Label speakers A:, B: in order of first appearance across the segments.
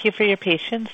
A: Greetings.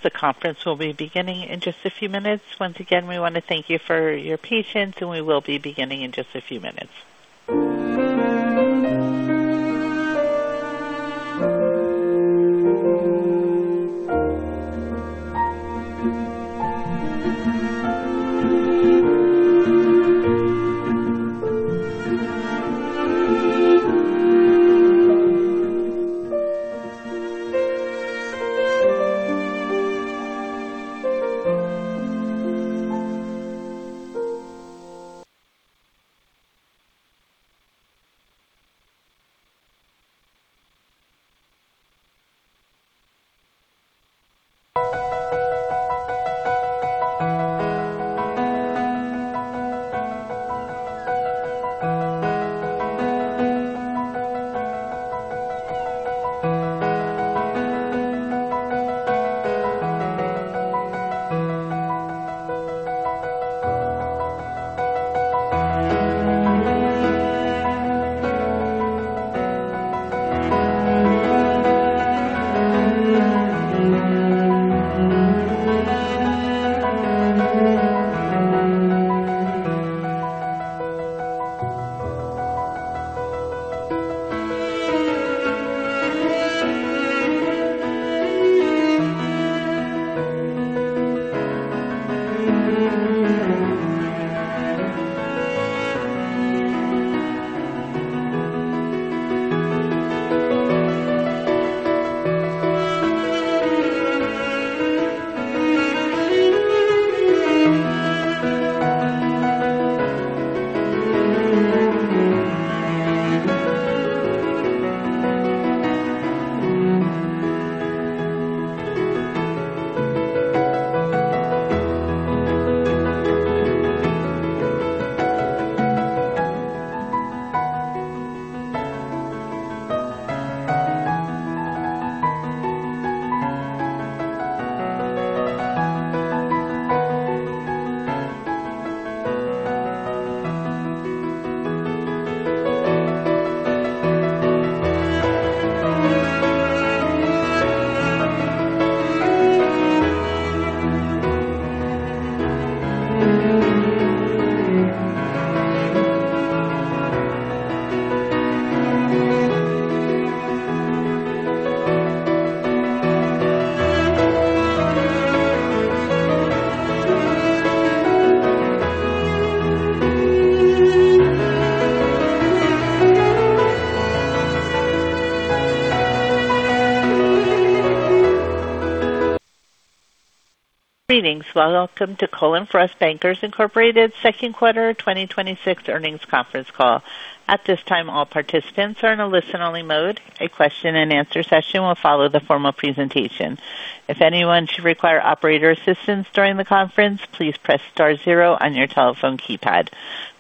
A: Welcome to Cullen/Frost Bankers Incorporated Second Quarter 2026 Earnings Conference Call. At this time, all participants are in a listen-only mode. A question and answer session will follow the formal presentation. If anyone should require operator assistance during the conference, please press star zero on your telephone keypad.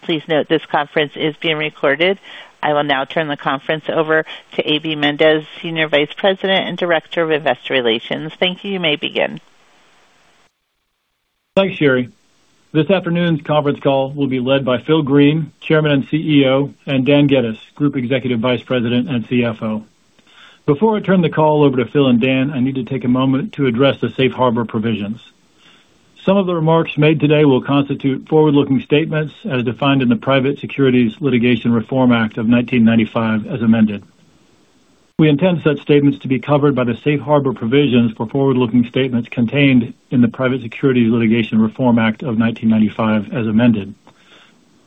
A: Please note this conference is being recorded. I will now turn the conference over to A.B. Mendez, Senior Vice President and Director of Investor Relations. Thank you. You may begin.
B: Thanks, Sherry. This afternoon's conference call will be led by Phil Green, Chairman and CEO, and Dan Geddes, Group Executive Vice President and CFO. Before I turn the call over to Phil and Dan, I need to take a moment to address the safe harbor provisions. Some of the remarks made today will constitute forward-looking statements as defined in the Private Securities Litigation Reform Act of 1995 as amended. We intend such statements to be covered by the safe harbor provisions for forward-looking statements contained in the Private Securities Litigation Reform Act of 1995 as amended.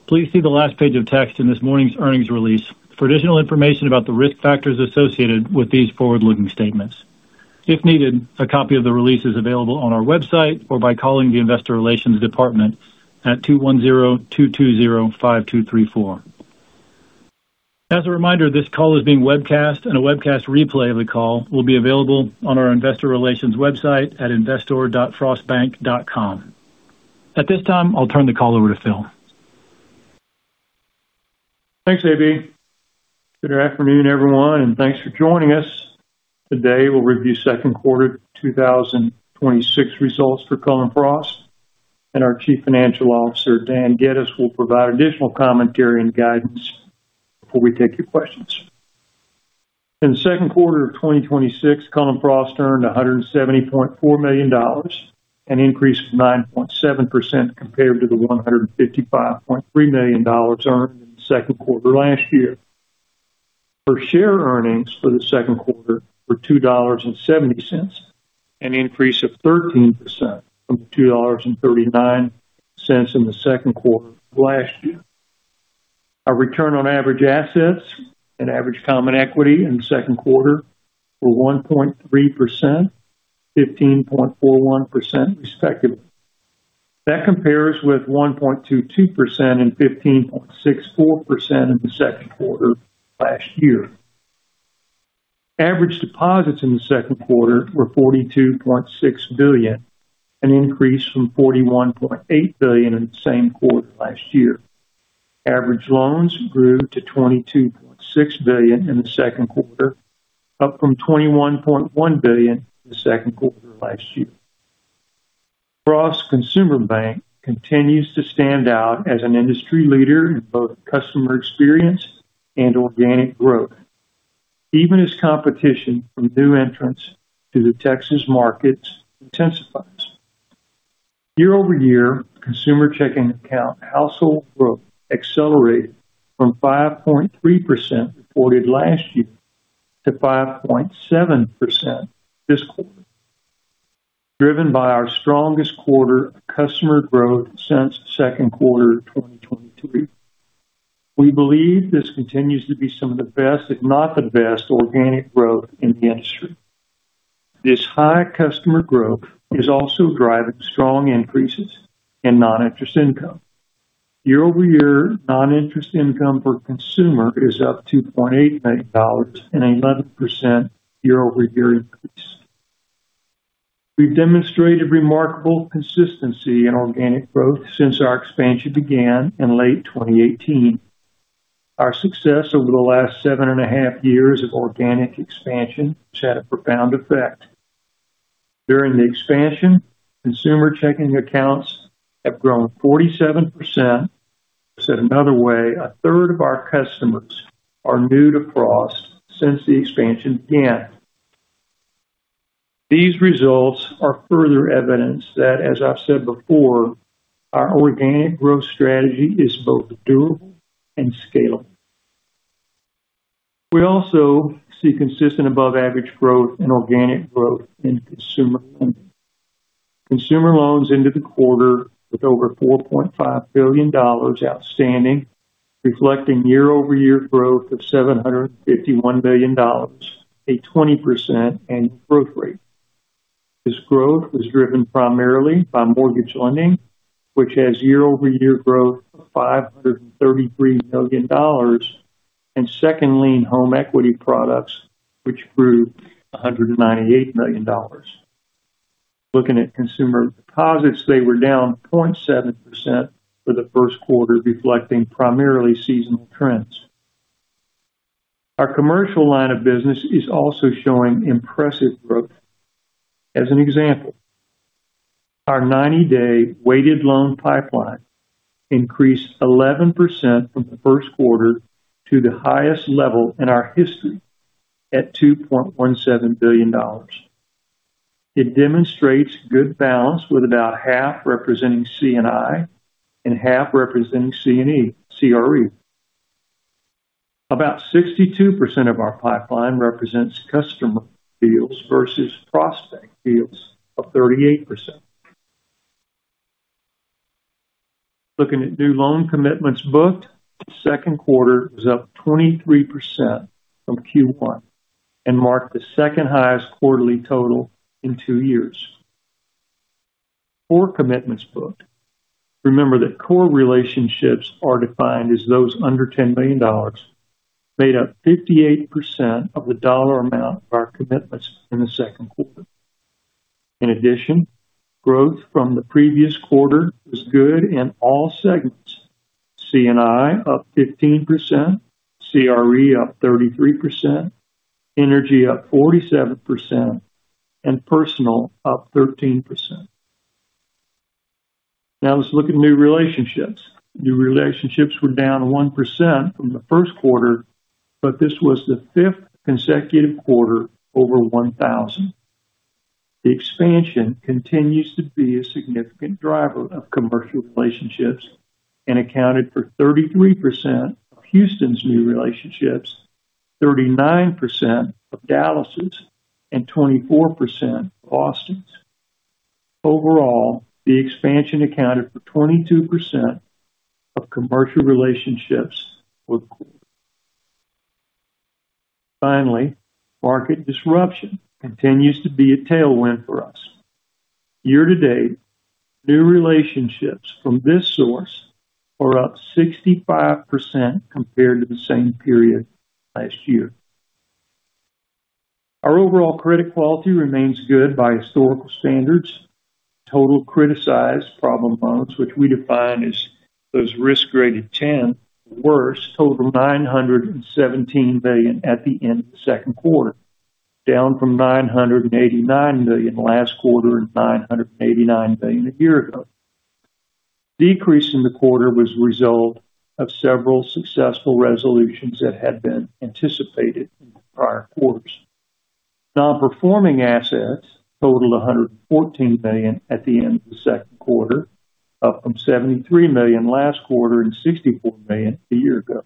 B: Please see the last page of text in this morning's earnings release for additional information about the risk factors associated with these forward-looking statements. If needed, a copy of the release is available on our website or by calling the investor relations department at 210 220 5234. As a reminder, this call is being webcast, and a webcast replay of the call will be available on our investor relations website at investor.frostbank.com. At this time, I'll turn the call over to Phil.
C: Thanks, A.B. Good afternoon, everyone, and thanks for joining us. Today, we'll review second quarter 2026 results for Cullen/Frost, and our Chief Financial Officer, Dan Geddes, will provide additional commentary and guidance before we take your questions. In the second quarter of 2026, Cullen/Frost earned $170.4 million, an increase of 9.7% compared to the $155.3 million earned in the second quarter last year. Per-share earnings for the second quarter were $2.70, an increase of 13% from the $2.39 in the second quarter of last year. Our return on average assets and average common equity in the second quarter were 1.3%, 15.41% respectively. That compares with 1.22% and 15.64% in the second quarter last year. Average deposits in the second quarter were $42.6 billion, an increase from $41.8 billion in the same quarter last year. Average loans grew to $22.6 billion in the second quarter, up from $21.1 billion in the second quarter last year. Frost Consumer Bank continues to stand out as an industry leader in both customer experience and organic growth, even as competition from new entrants to the Texas markets intensifies. Year-over-year, consumer checking account household growth accelerated from 5.3% reported last year to 5.7% this quarter, driven by our strongest quarter of customer growth since the second quarter of 2023. We believe this continues to be some of the best, if not the best, organic growth in the industry. This high customer growth is also driving strong increases in non-interest income. Year-over-year, non-interest income per consumer is up to $2.89, an 11% year-over-year increase. We've demonstrated remarkable consistency in organic growth since our expansion began in late 2018. Our success over the last seven and a half years of organic expansion has had a profound effect. During the expansion, consumer checking accounts have grown 47%. Said another way, a third of our customers are new to Frost since the expansion began. These results are further evidence that, as I've said before, our organic growth strategy is both durable and scalable. We also see consistent above average growth in organic growth in consumer lending. Consumer loans ended the quarter with over $4.5 billion outstanding, reflecting year-over-year growth of $751 million, a 20% annual growth rate. This growth was driven primarily by mortgage lending, which has year-over-year growth of $533 million, and second lien home equity products, which grew $198 million. Looking at consumer deposits, they were down 0.7% for the first quarter, reflecting primarily seasonal trends. Our commercial line of business is also showing impressive growth. As an example, our 90-day weighted loan pipeline increased 11% from the first quarter to the highest level in our history at $2.17 billion. It demonstrates good balance, with about half representing C&I and half representing CRE. About 62% of our pipeline represents customer deals versus prospect deals of 38%. Looking at new loan commitments booked, the second quarter was up 23% from Q1 and marked the second highest quarterly total in two years. Core commitments booked, remember that core relationships are defined as those under $10 billion, made up 58% of the dollar amount of our commitments in the second quarter. Growth from the previous quarter was good in all segments. C&I up 15%, CRE up 33%, energy up 47%, and personal up 13%. Let's look at new relationships. New relationships were down 1% from the first quarter, this was the fifth consecutive quarter over 1,000. The expansion continues to be a significant driver of commercial relationships and accounted for 33% of Houston's new relationships, 39% of Dallas's, and 24% of Austin's. Overall, the expansion accounted for 22% of commercial relationships for the quarter. Market disruption continues to be a tailwind for us. Year-to-date, new relationships from this source are up 65% compared to the same period last year. Our overall credit quality remains good by historical standards. Total criticized problem loans, which we define as those risk graded 10 or worse, totaled $917 million at the end of the second quarter, down from $989 million last quarter and $989 million a year ago. Decrease in the quarter was a result of several successful resolutions that had been anticipated in the prior quarters. Non-performing assets totaled $114 million at the end of the second quarter, up from $73 million last quarter and $64 million a year ago.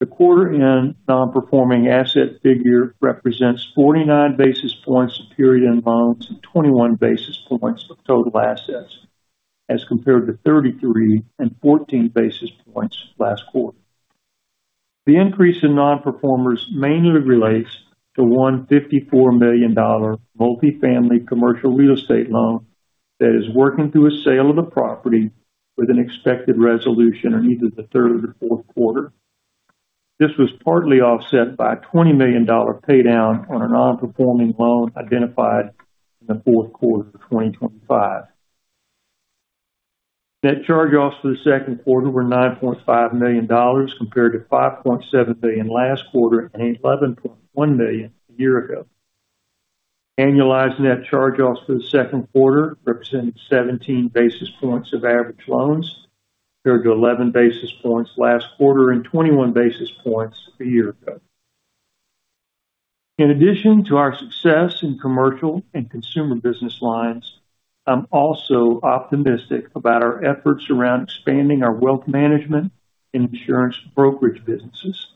C: The quarter end non-performing asset figure represents 49 basis points of period loans and 21 basis points of total assets as compared to 33 and 14 basis points last quarter. The increase in non-performers mainly relates to one $54 million multi-family commercial real estate loan that is working through a sale of a property with an expected resolution in either the third or fourth quarter. This was partly offset by a $20 million pay down on a non-performing loan identified in the fourth quarter of 2025. Net charge-offs for the second quarter were $9.5 million, compared to $5.7 million last quarter and $11.1 million a year ago. Annualized net charge-offs for the second quarter represented 17 basis points of average loans, compared to 11 basis points last quarter and 21 basis points a year ago. In addition to our success in commercial and consumer business lines, I'm also optimistic about our efforts around expanding our wealth management and insurance brokerage businesses.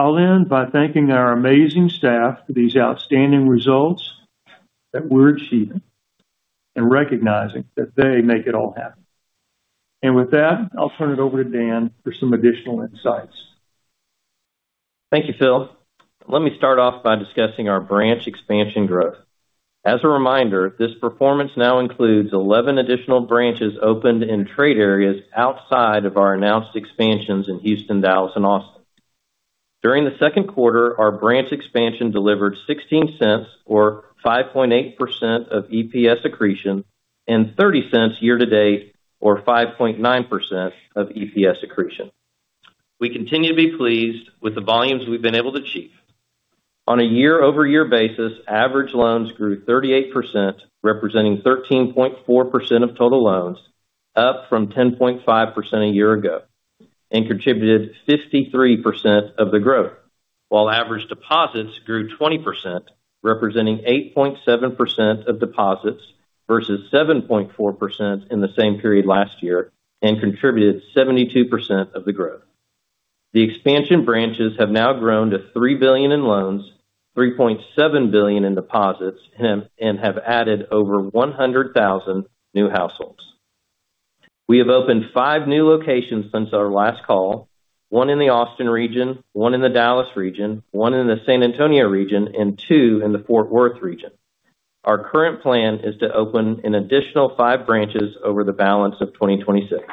C: I'll end by thanking our amazing staff for these outstanding results that we're achieving and recognizing that they make it all happen. With that, I'll turn it over to Dan for some additional insights.
D: Thank you, Phil. Let me start off by discussing our branch expansion growth. As a reminder, this performance now includes 11 additional branches opened in trade areas outside of our announced expansions in Houston, Dallas, and Austin. During the second quarter, our branch expansion delivered $0.16, or 5.8% of EPS accretion, and $0.30 year to date, or 5.9% of EPS accretion. We continue to be pleased with the volumes we've been able to achieve. On a year-over-year basis, average loans grew 38%, representing 13.4% of total loans, up from 10.5% a year ago, and contributed 53% of the growth. While average deposits grew 20%, representing 8.7% of deposits versus 7.4% in the same period last year, and contributed 72% of the growth. The expansion branches have now grown to $3 billion in loans, $3.7 billion in deposits, and have added over 100,000 new households. We have opened five new locations since our last call, one in the Austin region, one in the Dallas region, one in the San Antonio region, and two in the Fort Worth region. Our current plan is to open an additional five branches over the balance of 2026.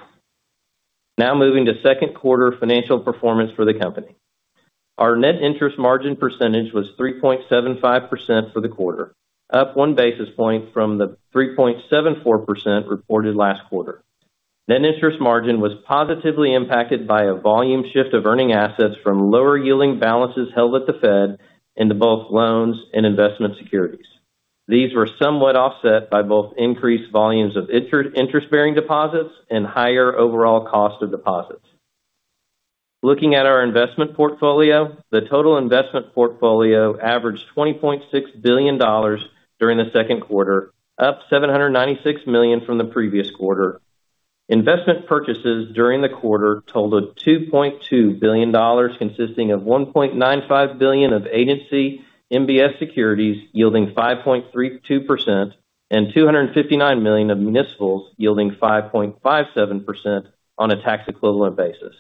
D: Moving to second quarter financial performance for the company. Our net interest margin percentage was 3.75% for the quarter, up 1 basis point from the 3.74% reported last quarter. Net interest margin was positively impacted by a volume shift of earning assets from lower yielding balances held at the Fed into both loans and investment securities. These were somewhat offset by both increased volumes of interest-bearing deposits and higher overall cost of deposits. Looking at our investment portfolio, the total investment portfolio averaged $20.6 billion during the second quarter, up $796 million from the previous quarter. Investment purchases during the quarter totaled $2.2 billion, consisting of $1.95 billion of agency MBS securities, yielding 5.32%, and $259 million of municipals, yielding 5.57% on a tax-equivalent basis.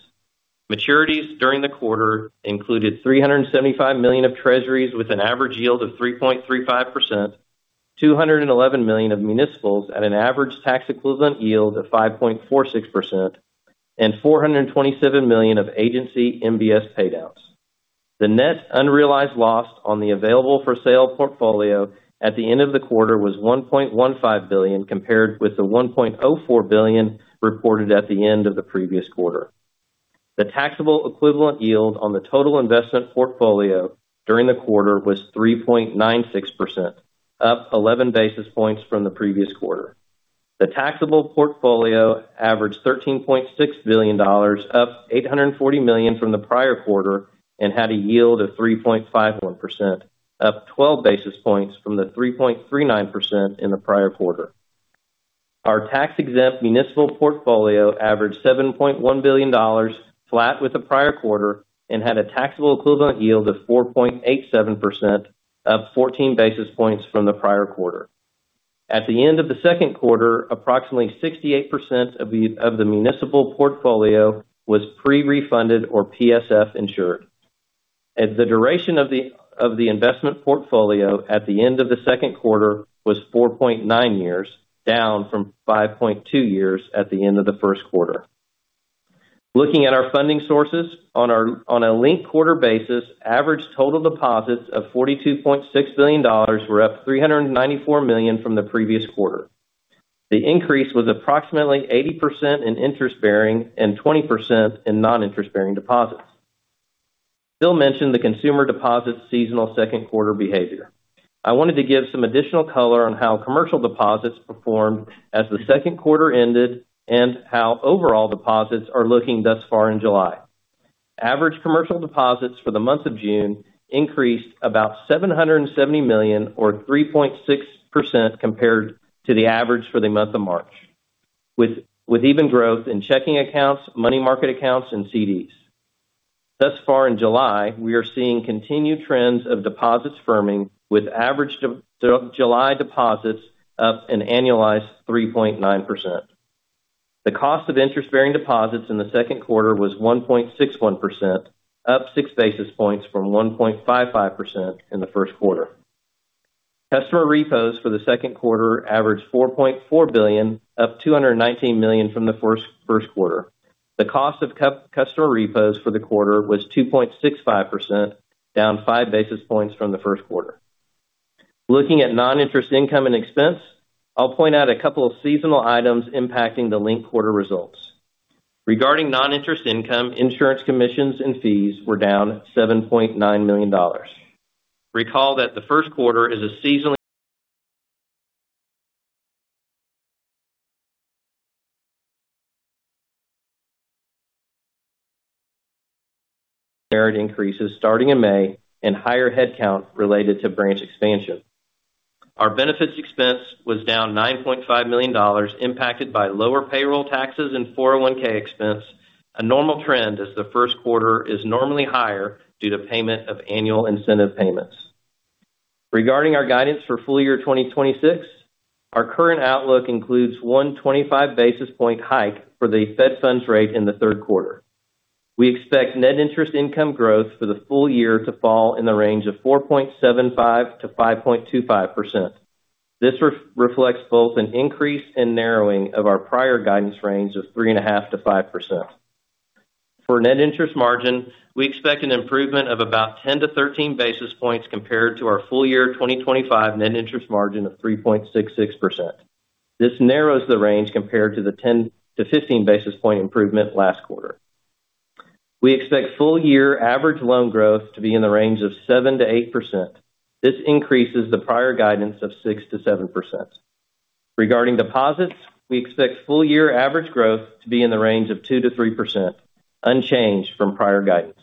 D: Maturities during the quarter included $375 million of treasuries with an average yield of 3.35%, $211 million of municipals at an average tax-equivalent yield of 5.46%, and $427 million of agency MBS paydowns. The net unrealized loss on the available for sale portfolio at the end of the quarter was $1.15 billion, compared with the $1.04 billion reported at the end of the previous quarter. The taxable equivalent yield on the total investment portfolio during the quarter was 3.96%, up 11 basis points from the previous quarter. The taxable portfolio averaged $13.6 billion, up $840 million from the prior quarter, and had a yield of 3.51%, up 12 basis points from the 3.39% in the prior quarter. Our tax-exempt municipal portfolio averaged $7.1 billion, flat with the prior quarter, and had a taxable equivalent yield of 4.87%, up 14 basis points from the prior quarter. At the end of the second quarter, approximately 68% of the municipal portfolio was pre-refunded or PSF insured. The duration of the investment portfolio at the end of the second quarter was 4.9 years, down from 5.2 years at the end of the first quarter. Looking at our funding sources, on a linked quarter basis, average total deposits of $42.6 billion were up $394 million from the previous quarter. The increase was approximately 80% in interest bearing and 20% in non-interest bearing deposits. Phil mentioned the consumer deposits seasonal second quarter behavior. I wanted to give some additional color on how commercial deposits performed as the second quarter ended and how overall deposits are looking thus far in July. Average commercial deposits for the month of June increased about $770 million or 3.6% compared to the average for the month of March, with even growth in checking accounts, money market accounts, and CDs. Thus far in July, we are seeing continued trends of deposits firming with average July deposits up an annualized 3.9%. The cost of interest bearing deposits in the second quarter was 1.61%, up 6 basis points from 1.55% in the first quarter. Customer repos for the second quarter averaged $4.4 billion, up $219 million from the first quarter. The cost of customer repos for the quarter was 2.65%, down 5 basis points from the first quarter. Looking at non-interest income and expense, I'll point out a couple of seasonal items impacting the linked quarter results. Regarding non-interest income, insurance commissions and fees were down $7.9 million. Recall that the first quarter is a increases starting in May and higher headcount related to branch expansion. Our benefits expense was down $9.5 million impacted by lower payroll taxes and 401K expense, a normal trend as the first quarter is normally higher due to payment of annual incentive payments. Regarding our guidance for full year 2026, our current outlook includes one 25 basis point hike for the Fed funds rate in the third quarter. We expect net interest income growth for the full year to fall in the range of 4.75%-5.25%. This reflects both an increase and narrowing of our prior guidance range of 3.5%-5%. For net interest margin, we expect an improvement of about 10-13 basis points compared to our full year 2025 net interest margin of 3.66%. This narrows the range compared to the 10-15 basis points improvement last quarter. We expect full year average loan growth to be in the range of 7%-8%. This increases the prior guidance of 6%-7%. Regarding deposits, we expect full year average growth to be in the range of 2%-3%, unchanged from prior guidance.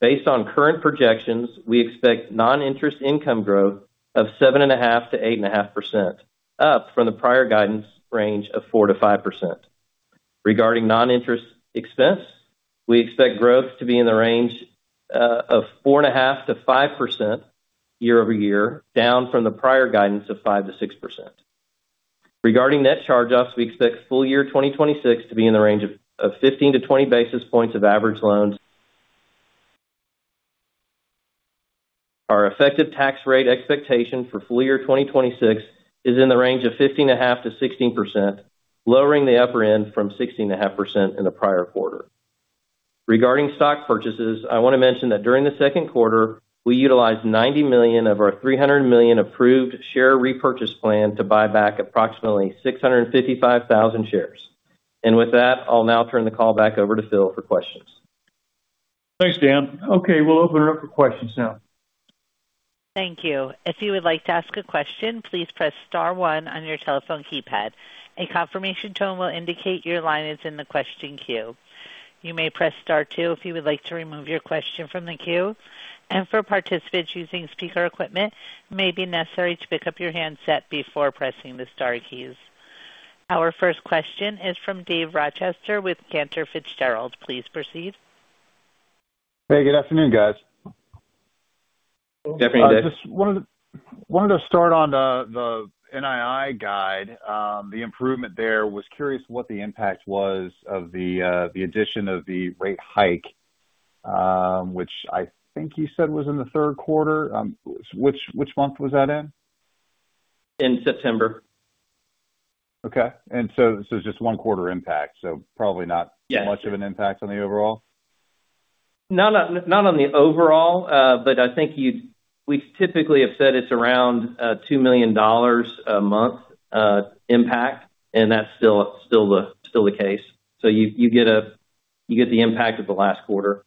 D: Based on current projections, we expect non-interest income growth of 8.5%-8.5%, up from the prior guidance range of 4%-5%. Regarding non-interest expense, we expect growth to be in the range of 4.5%-5% year-over-year, down from the prior guidance of 5%-6%. Regarding net charge-offs, we expect full year 2026 to be in the range of 15-20 basis points of average loans. Our effective tax rate expectation for full year 2026 is in the range of 15.5%-16%, lowering the upper end from 16.5% in the prior quarter. Regarding stock purchases, I want to mention that during the second quarter, we utilized $90 million of our $300 million approved share repurchase plan to buy back approximately 655,000 shares. With that, I'll now turn the call back over to Phil for questions.
C: Thanks, Dan. Okay, we'll open it up for questions now.
A: Thank you. If you would like to ask a question, please press star one on your telephone keypad. A confirmation tone will indicate your line is in the question queue. You may press star two if you would like to remove your question from the queue. For participants using speaker equipment, it may be necessary to pick up your handset before pressing the star keys. Our first question is from Dave Rochester with Cantor Fitzgerald. Please proceed.
E: Hey, good afternoon, guys.
D: Good afternoon, Dave.
E: I just wanted to start on the NII guide, the improvement there. Was curious what the impact was of the addition of the rate hike, which I think you said was in the third quarter. Which month was that in?
D: In September.
E: Okay. This is just one quarter impact, so probably not-
D: Yes.
E: -much of an impact on the overall?
D: Not on the overall, but I think we typically have said it's around $2 million a month impact, and that's still the case. You get the impact of the last quarter.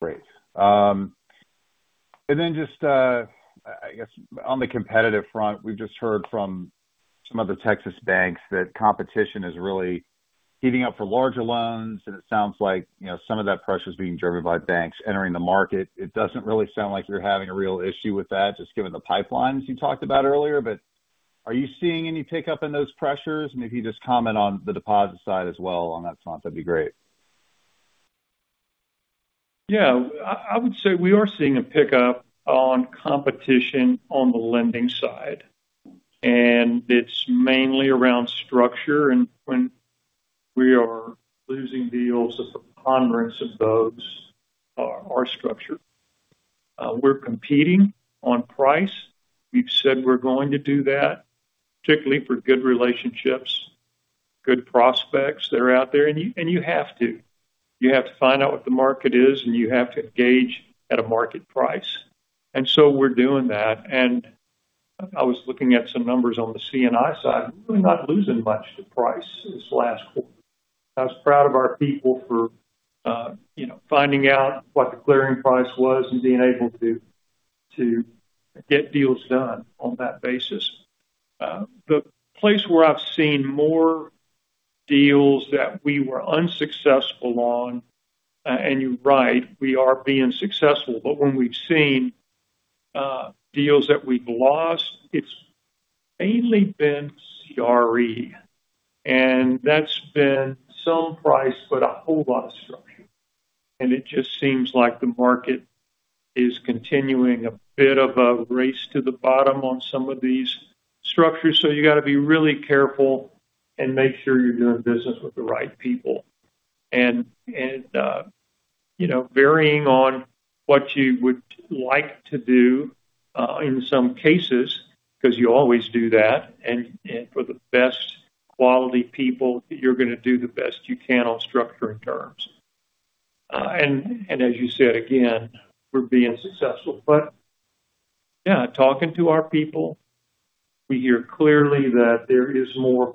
E: Great. Just, I guess on the competitive front, we've just heard from some of the Texas banks that competition is really heating up for larger loans, and it sounds like some of that pressure is being driven by banks entering the market. It doesn't really sound like you're having a real issue with that, just given the pipelines you talked about earlier, but are you seeing any pickup in those pressures? If you just comment on the deposit side as well on that front, that'd be great.
C: I would say we are seeing a pickup on competition on the lending side. It's mainly around structure. When we are losing deals, the preponderance of those are structure. We're competing on price. We've said we're going to do that, particularly for good relationships, good prospects that are out there. You have to. You have to find out what the market is, and you have to gauge at a market price. We're doing that. I was looking at some numbers on the C&I side, we're not losing much to price this last quarter. I was proud of our people for finding out what the clearing price was and being able to get deals done on that basis. The place where I've seen more deals that we were unsuccessful on, and you're right, we are being successful, but when we've seen deals that we've lost, it's mainly been CRE, and that's been some price, but a whole lot of structure. It just seems like the market is continuing a bit of a race to the bottom on some of these structures. You got to be really careful and make sure you're doing business with the right people. Varying on what you would like to do, in some cases, because you always do that, and for the best quality people, you're going to do the best you can on structuring terms. As you said, again, we're being successful. Talking to our people, we hear clearly that there is more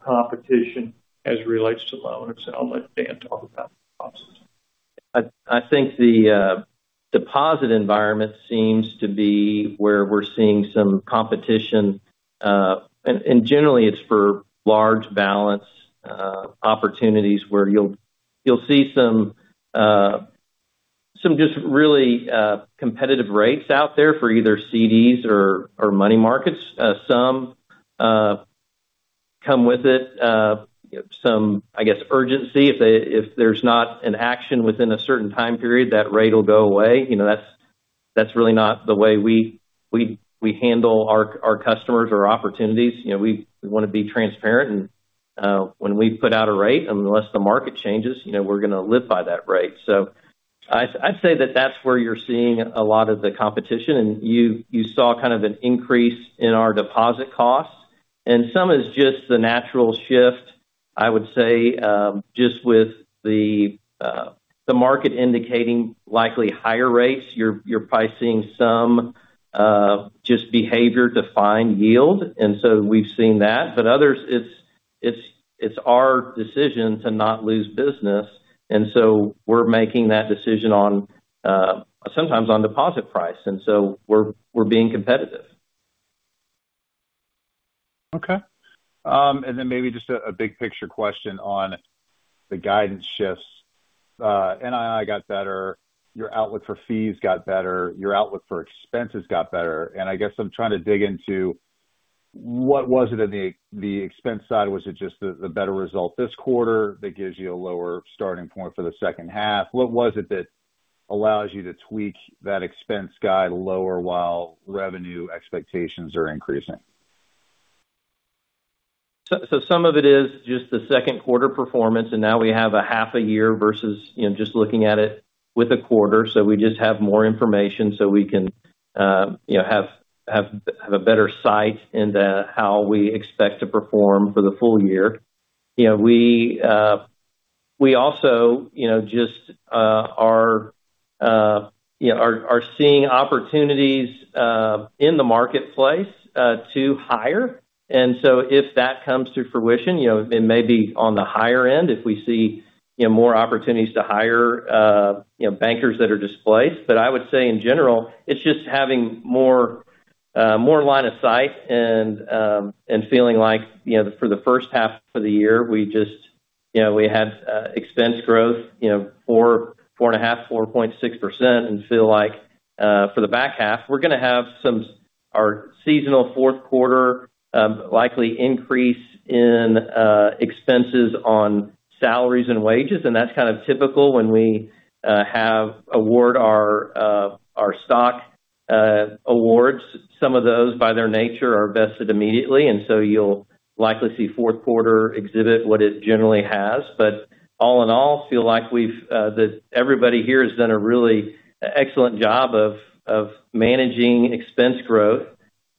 C: competition as it relates to loans, and I'll let Dan talk about deposits.
D: I think the deposit environment seems to be where we're seeing some competition. Generally, it's for large balance opportunities where you'll see some just really competitive rates out there for either CDs or money markets. Some come with it, some, I guess, urgency. If there's not an action within a certain time period, that rate'll go away. That's really not the way we handle our customers or opportunities. We want to be transparent, and when we put out a rate, unless the market changes, we're going to live by that rate. I'd say that that's where you're seeing a lot of the competition, and you saw kind of an increase in our deposit costs. Some is just the natural shift, I would say, just with the market indicating likely higher rates. You're probably seeing some just behavior to find yield. We've seen that. Others, it's our decision to not lose business. We're making that decision sometimes on deposit price. We're being competitive.
E: Okay. Maybe just a big picture question on the guidance shifts. NII got better, your outlook for fees got better, your outlook for expenses got better, I guess I'm trying to dig into what was it in the expense side? Was it just the better result this quarter that gives you a lower starting point for the second half? What was it that allows you to tweak that expense guide lower while revenue expectations are increasing?
D: Some of it is just the second quarter performance, and now we have a half a year versus just looking at it with a quarter. We just have more information so we can have a better sight into how we expect to perform for the full year. We also just are seeing opportunities in the marketplace to hire. If that comes to fruition, it may be on the higher end if we see more opportunities to hire bankers that are displaced. I would say in general, it's just having more line of sight and feeling like, for the first half of the year, we had expense growth, 4.5%, 4.6%, and feel like for the back half, we're going to have our seasonal fourth quarter likely increase in expenses on salaries and wages, and that's kind of typical when we award our stock awards. Some of those, by their nature, are vested immediately, you'll likely see fourth quarter exhibit what it generally has. All in all, feel like that everybody here has done a really excellent job of managing expense growth.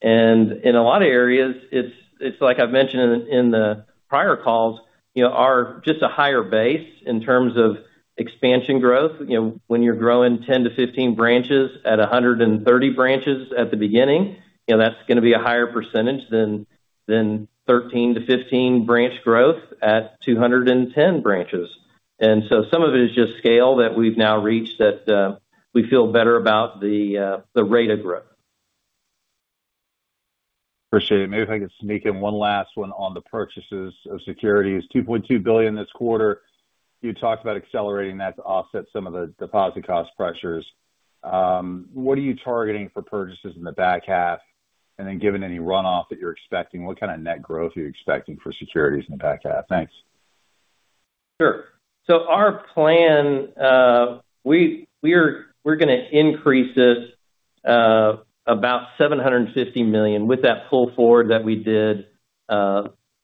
D: In a lot of areas, it's like I've mentioned in the prior calls, are just a higher base in terms of expansion growth. When you're growing 10-15 branches at 130 branches at the beginning, that's going to be a higher percentage than 13-15 branch growth at 210 branches. Some of it is just scale that we've now reached that we feel better about the rate of growth.
E: Appreciate it. Maybe if I could sneak in one last one on the purchases of securities. $2.2 billion this quarter. You talked about accelerating that to offset some of the deposit cost pressures. What are you targeting for purchases in the back half? Then given any runoff that you're expecting, what kind of net growth are you expecting for securities in the back half? Thanks.
D: Sure. Our plan, we're going to increase this about $750 million with that pull forward that we did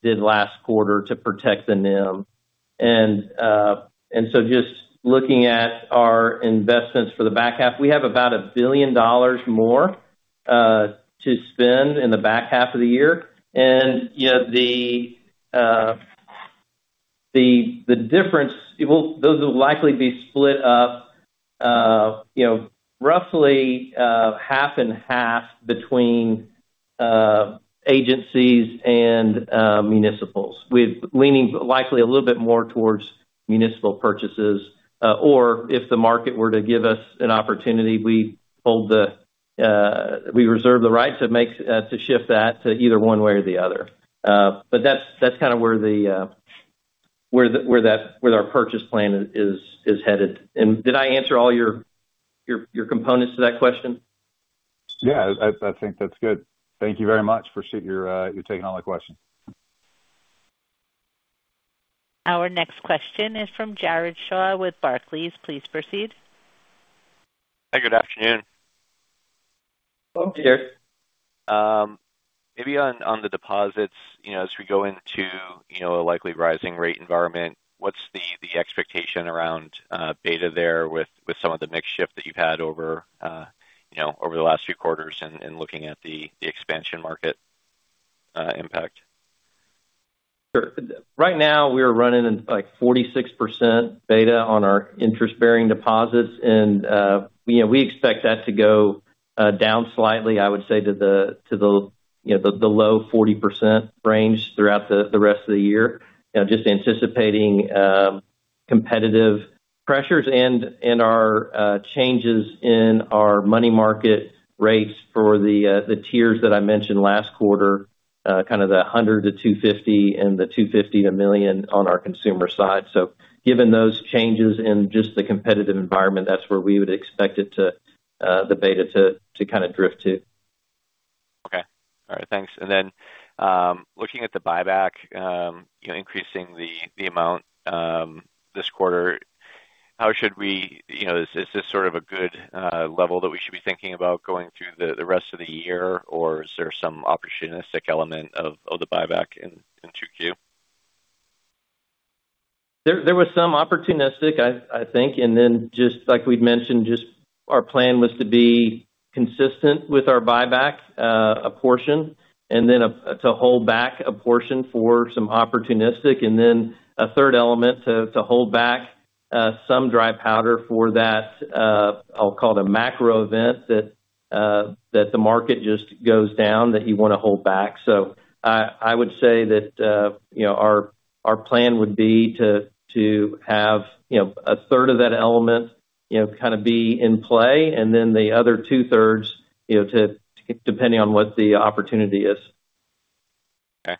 D: last quarter to protect the NIM. Just looking at our investments for the back half, we have about $1 billion more to spend in the back half of the year. The difference, those will likely be split up roughly half and half between agencies and municipals, with leaning likely a little bit more towards municipal purchases. If the market were to give us an opportunity, we reserve the right to shift that to either one way or the other. That's kind of where our purchase plan is headed. Did I answer all your components to that question?
E: Yeah. I think that's good. Thank you very much. Appreciate you taking all the questions.
A: Our next question is from Jared Shaw with Barclays. Please proceed.
F: Hi, good afternoon.
D: Hello, Jared.
F: Maybe on the deposits, as we go into a likely rising rate environment, what's the expectation around beta there with some of the mix shift that you've had over the last few quarters and looking at the expansion market impact?
D: Sure. Right now, we are running at 46% beta on our interest-bearing deposits, and we expect that to go down slightly, I would say, to the low 40% range throughout the rest of the year. Just anticipating competitive pressures and our changes in our money market rates for the tiers that I mentioned last quarter, kind of the 100-250 and the 250 to million on our consumer side. Given those changes and just the competitive environment, that's where we would expect the beta to kind of drift to.
F: Okay. All right, thanks. Looking at the buyback, increasing the amount this quarter, is this sort of a good level that we should be thinking about going through the rest of the year, or is there some opportunistic element of the buyback in 2Q?
D: There was some opportunistic, I think, just like we'd mentioned, our plan was to be consistent with our buyback, a portion, to hold back a portion for some opportunistic, a third element to hold back some dry powder for that, I'll call it a macro event that the market just goes down that you want to hold back. I would say that our plan would be to have a third of that element kind of be in play, and then the other two-thirds depending on what the opportunity is.
F: Okay,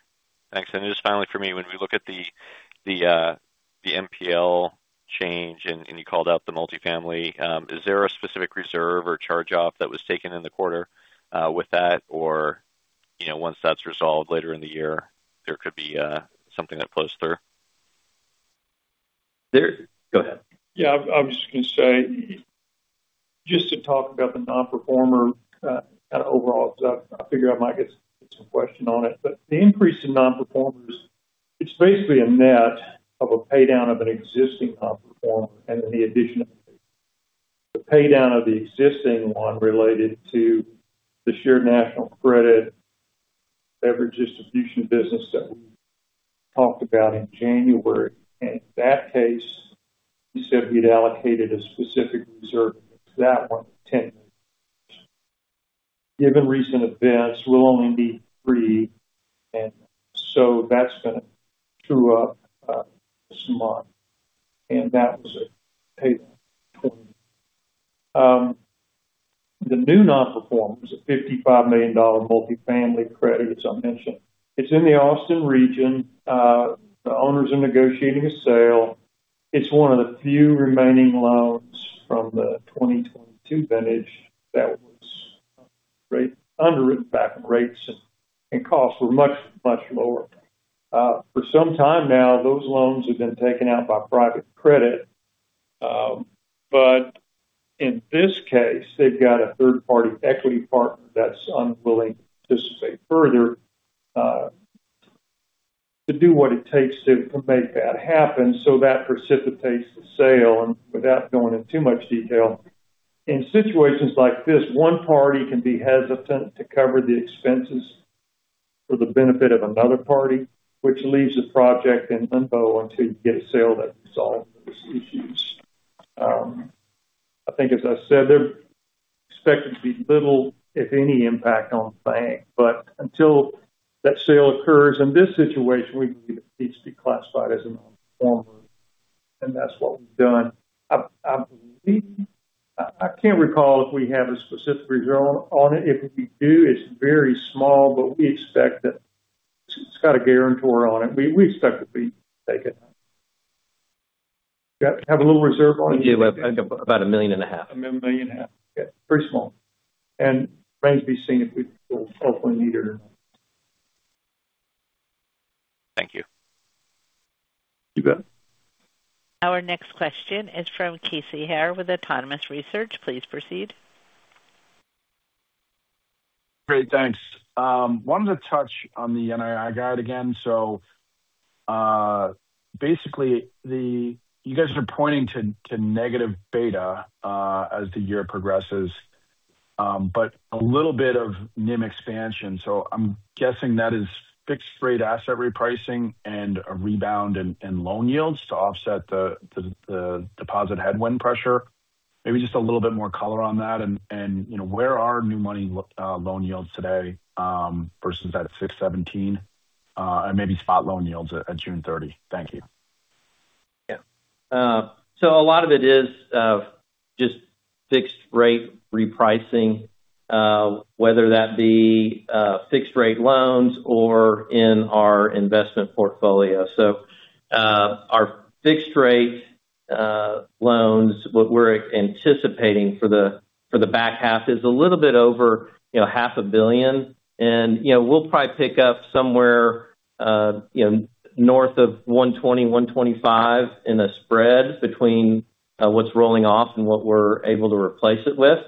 F: thanks. Just finally for me, when we look at the NPL change, and you called out the multifamily, is there a specific reserve or charge-off that was taken in the quarter with that? Or once that's resolved later in the year, there could be something that pulls through.
D: Go ahead.
C: I was just going to say, just to talk about the non-performer kind of overall, because I figure I might get some question on it. The increase in non-performers, it's basically a net of a pay down of an existing non-performer and then the addition of it. The pay down of the existing one related to the shared national credit beverage distribution business that we talked about in January. In that case, we said we'd allocated a specific reserve against that one of $10 million. Given recent events, we'll only need three. That's going to true up this month, and that was a pay down. The new non-performer, a $55 million multifamily credit, as I mentioned. It's in the Austin region. The owners are negotiating a sale. It's one of the few remaining loans from the 2022 vintage that was underwritten back when rates and costs were much, much lower. For some time now, those loans have been taken out by private credit. In this case, they've got a third-party equity partner that's unwilling to participate further to do what it takes to make that happen, so that precipitates the sale. Without going into too much detail, in situations like this, one party can be hesitant to cover the expenses for the benefit of another party, which leaves the project in limbo until you get a sale that can solve those issues. I think, as I said, there's expected to be little, if any, impact on the bank. Until that sale occurs, in this situation, we believe it needs to be classified as a non-performer, and that's what we've done. I can't recall if we have a specific reserve on it. If we do, it's very small, but it's got a guarantor on it. We expect it to be taken. Have a little reserve on it.
D: We do, about a million and a half.
C: A million and a half. Yeah. Very small. Remains to be seen if we will ultimately need it or not.
F: Thank you.
C: You bet.
A: Our next question is from Casey Haire with Autonomous Research. Please proceed.
G: Great. Thanks. Wanted to touch on the NII guide again. Basically, you guys are pointing to negative beta as the year progresses. A little bit of NIM expansion. I'm guessing that is fixed-rate asset repricing and a rebound in loan yields to offset the deposit headwind pressure. Maybe just a little bit more color on that and where are new money loan yields today versus that 617, and maybe spot loan yields at June 30. Thank you.
D: Yeah. A lot of it is just fixed-rate repricing, whether that be fixed-rate loans or in our investment portfolio. Our fixed-rate loans, what we're anticipating for the back half is a little bit over $500 million. We'll probably pick up somewhere north of 120, 125 in a spread between what's rolling off and what we're able to replace it with.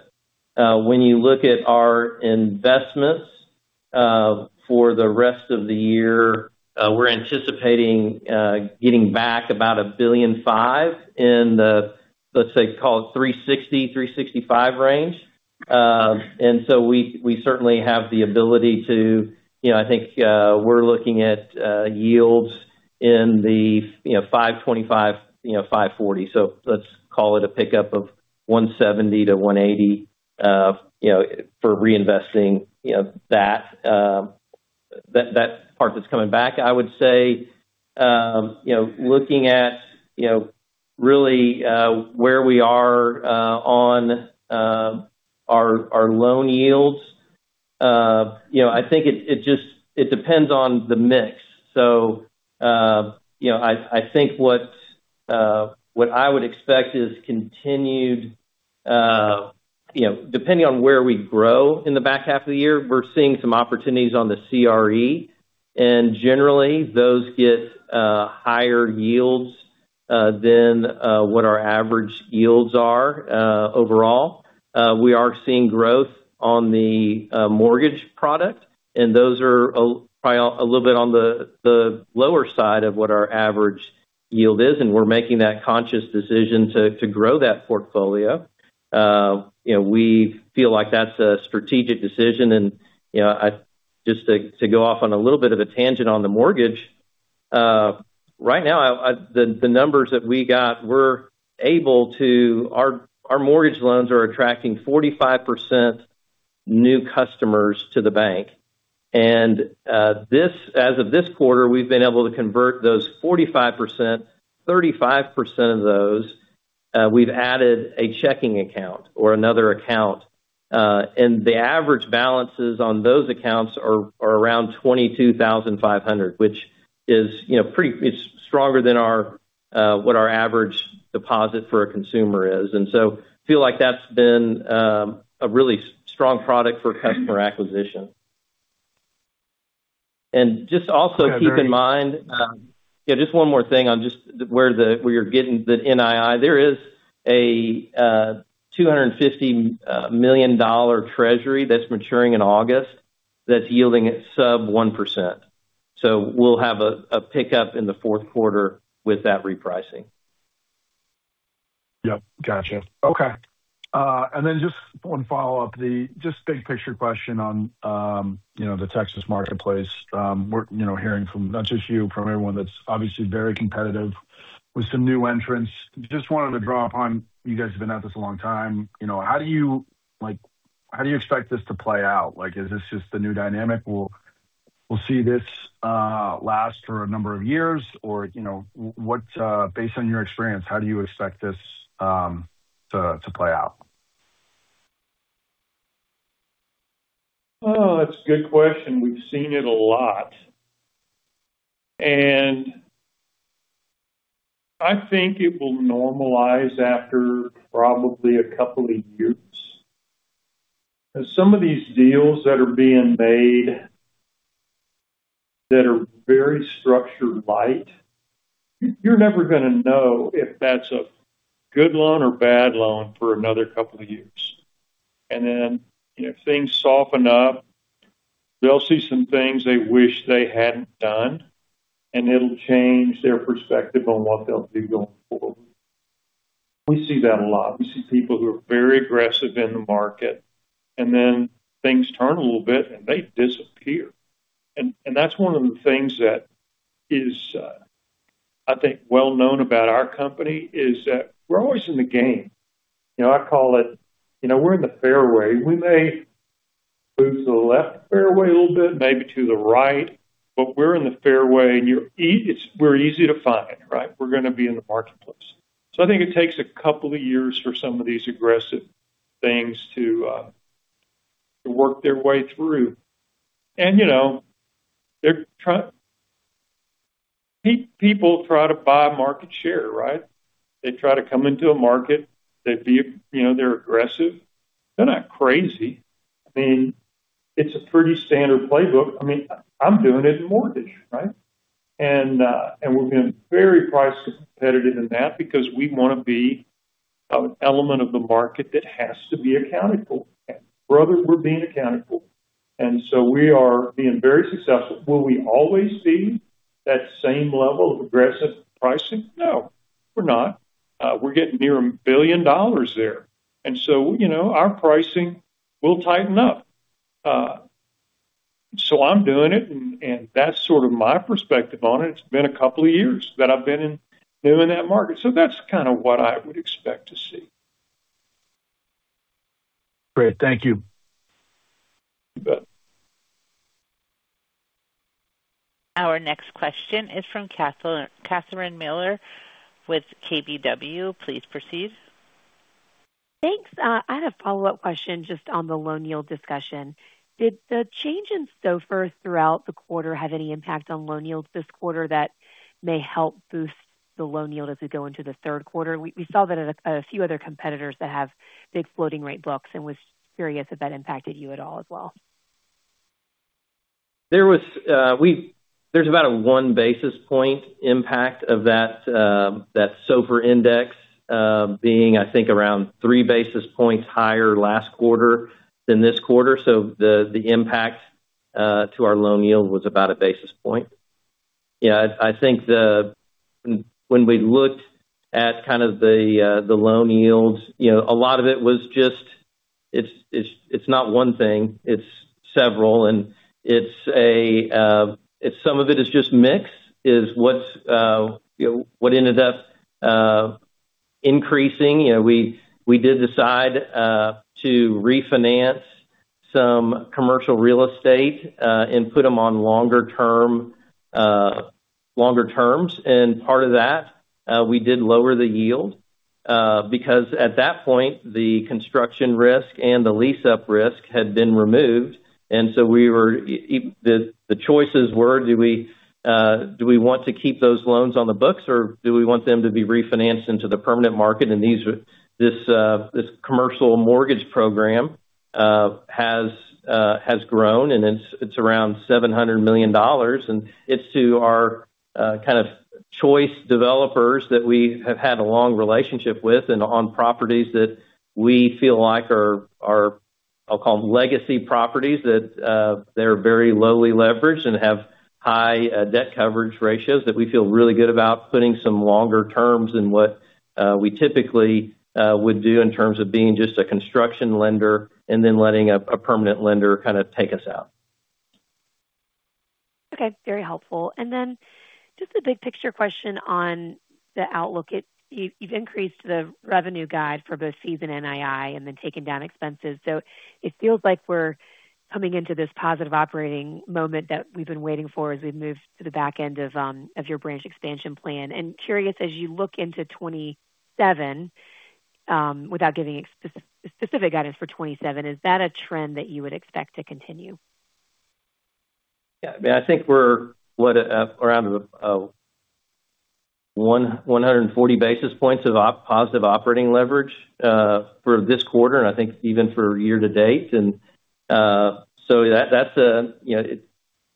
D: When you look at our investments for the rest of the year, we're anticipating getting back about $1.5 billion in the, let's say, call it 360, 365 range. We certainly have the ability to-- I think we're looking at yields in the 525, 540. Let's call it a pickup of 170-180 for reinvesting that part that's coming back. I would say, looking at really where we are on our loan yields, I think it depends on the mix. I think what I would expect is continued-- depending on where we grow in the back half of the year, we're seeing some opportunities on the CRE, and generally, those get higher yields than what our average yields are overall. We are seeing growth on the mortgage product, and those are probably a little bit on the lower side of what our average yield is, and we're making that conscious decision to grow that portfolio. We feel like that's a strategic decision. Just to go off on a little bit of a tangent on the mortgage, right now, the numbers that we got, our mortgage loans are attracting 45% new customers to the bank. As of this quarter, we've been able to convert those 45%, 35% of those, we've added a checking account or another account. The average balances on those accounts are around $22,500, which is stronger than what our average deposit for a consumer is. I feel like that's been a really strong product for customer acquisition. Just also keep in mind-- just one more thing on just where you're getting the NII. There is a $250 million treasury that's maturing in August that's yielding at sub 1%. We'll have a pickup in the fourth quarter with that repricing.
G: Yep. Got you. Okay. Just one follow-up, just big picture question on the Texas marketplace. We're hearing from not just you, from everyone that's obviously very competitive with some new entrants. Just wanted to draw upon, you guys have been at this a long time. How do you expect this to play out? Is this just the new dynamic? We'll see this last for a number of years, or based on your experience, how do you expect this to play out?
C: Oh, that's a good question. We've seen it a lot, I think it will normalize after probably a couple of years. Because some of these deals that are being made that are very structured light, you're never going to know if that's a good loan or bad loan for another couple of years. If things soften up, they'll see some things they wish they hadn't done, and it'll change their perspective on what they'll do going forward. We see that a lot. We see people who are very aggressive in the market, then things turn a little bit, and they disappear. That's one of the things that is, I think, well known about our company, is that we're always in the game. I call it we're in the fairway. We may move to the left fairway a little bit, maybe to the right, we're in the fairway and we're easy to find, right? We're going to be in the marketplace. I think it takes a couple of years for some of these aggressive things to work their way through. People try to buy market share, right? They try to come into a market. They're aggressive. They're not crazy. It's a pretty standard playbook. I'm doing it in mortgage, right? We're being very price competitive in that because we want to be an element of the market that has to be accountable. For others, we're being accountable, so we are being very successful. Will we always see that same level of aggressive pricing? No, we're not. We're getting near a billion dollars there. Our pricing will tighten up. I'm doing it, that's sort of my perspective on it. It's been a couple of years that I've been in that market. That's kind of what I would expect to see.
G: Great. Thank you.
C: You bet.
A: Our next question is from Catherine Mealor with KBW. Please proceed.
H: Thanks. I had a follow-up question just on the loan yield discussion. Did the change in SOFR throughout the quarter have any impact on loan yields this quarter that may help boost the loan yield as we go into the third quarter? We saw that at a few other competitors that have big floating rate books and was curious if that impacted you at all as well.
D: There's about a 1 basis point impact of that SOFR index being, I think, around 3 basis points higher last quarter than this quarter. The impact to our loan yield was about a basis point. I think when we looked at the loan yields, a lot of it was just, it's not one thing, it's several. Some of it is just mix, is what ended up increasing. We did decide to refinance some commercial real estate and put them on longer terms. Part of that, we did lower the yield because at that point, the construction risk and the lease-up risk had been removed. The choices were, do we want to keep those loans on the books or do we want them to be refinanced into the permanent market? This commercial mortgage program has grown, and it's around $700 million. It's to our kind of choice developers that we have had a long relationship with and on properties that we feel like are, I'll call them legacy properties, that they're very lowly leveraged and have high debt coverage ratios that we feel really good about putting some longer terms than what we typically would do in terms of being just a construction lender and then letting a permanent lender kind of take us out.
H: Okay. Very helpful. Just a big picture question on the outlook. You've increased the revenue guide for both seasonal NII and then taken down expenses. It feels like we're coming into this positive operating moment that we've been waiting for as we move to the back end of your branch expansion plan. Curious, as you look into 2027, without giving specific guidance for 2027, is that a trend that you would expect to continue?
D: I think we're around 140 basis points of positive operating leverage for this quarter, and I think even for year to date.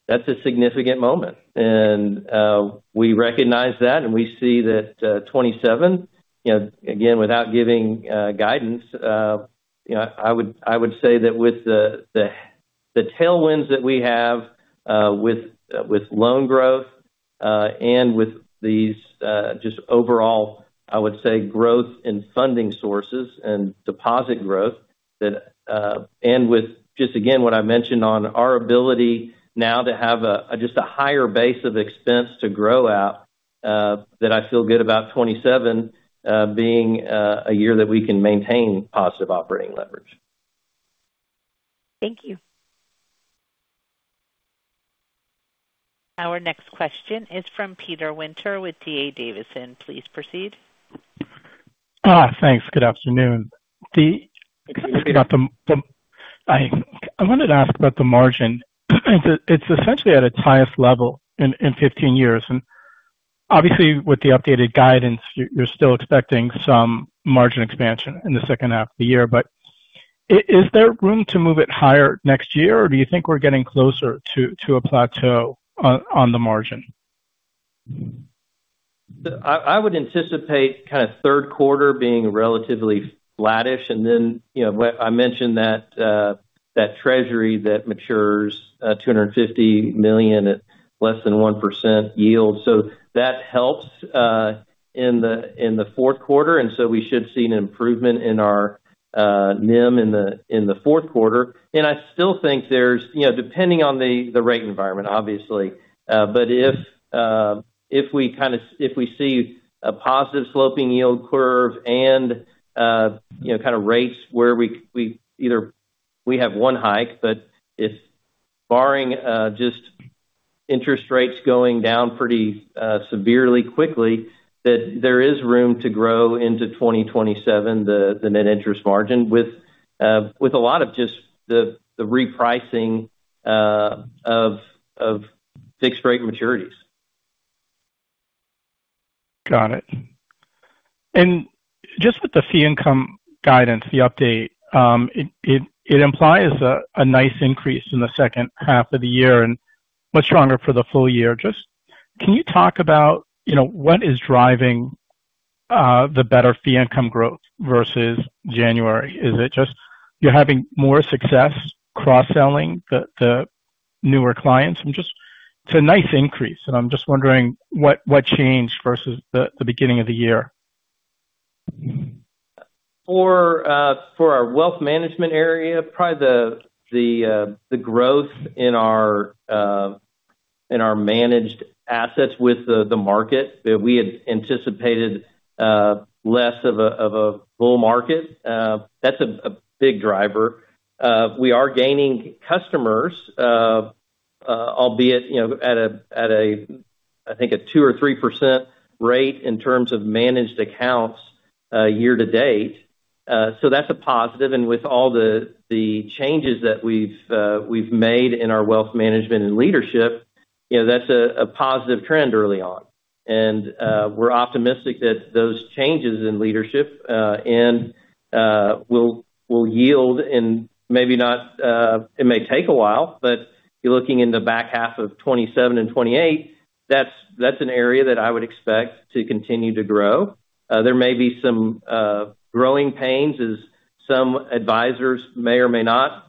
D: That's a significant moment, and we recognize that. We see that 2027, again, without giving guidance, I would say that with the tailwinds that we have with loan growth and with these just overall, I would say growth in funding sources and deposit growth, with just again what I mentioned on our ability now to have just a higher base of expense to grow out that I feel good about 2027 being a year that we can maintain positive operating leverage.
H: Thank you.
A: Our next question is from Peter Winter with D.A. Davidson. Please proceed.
I: Thanks. Good afternoon.
D: Hi Peter.
I: I wanted to ask about the margin. It's essentially at its highest level in 15 years. Obviously with the updated guidance, you're still expecting some margin expansion in the second half of the year. Is there room to move it higher next year, or do you think we're getting closer to a plateau on the margin?
D: I would anticipate kind of third quarter being relatively flattish. Then I mentioned that treasury that matures $250 million at less than 1% yield. That helps in the fourth quarter, we should see an improvement in our NIM in the fourth quarter. I still think there's, depending on the rate environment, obviously, but if we see a positive sloping yield curve and kind of rates where either we have one hike, but if barring just interest rates going down pretty severely quickly, that there is room to grow into 2027 the net interest margin with a lot of just the repricing of fixed rate maturities.
I: Got it. Just with the fee income guidance, the update, it implies a nice increase in the second half of the year and much stronger for the full year. Just can you talk about what is driving the better fee income growth versus January? Is it just you're having more success cross-selling the newer clients? It's a nice increase, I'm just wondering what changed versus the beginning of the year.
D: For our wealth management area, probably the growth in our managed assets with the market that we had anticipated less of a bull market. That's a big driver. We are gaining customers, albeit at, I think a 2% or 3% rate in terms of managed accounts year to date. That's a positive. With all the changes that we've made in our wealth management and leadership. That's a positive trend early on. We're optimistic that those changes in leadership and will yield in maybe not-- it may take a while, but you're looking in the back half of 2027 and 2028. That's an area that I would expect to continue to grow. There may be some growing pains as some advisors may or may not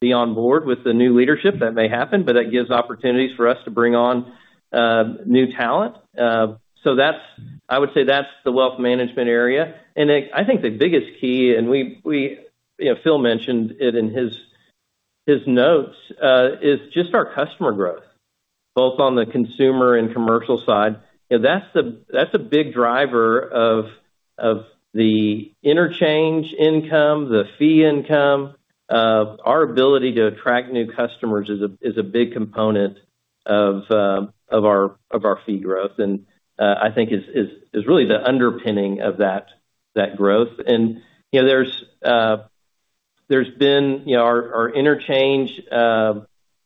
D: be on board with the new leadership. That may happen, but that gives opportunities for us to bring on new talent. I would say that's the wealth management area. I think the biggest key, Phil mentioned it in his notes is just our customer growth, both on the consumer and commercial side. That's a big driver of the interchange income, the fee income. Our ability to attract new customers is a big component of our fee growth and I think is really the underpinning of that growth. Our interchange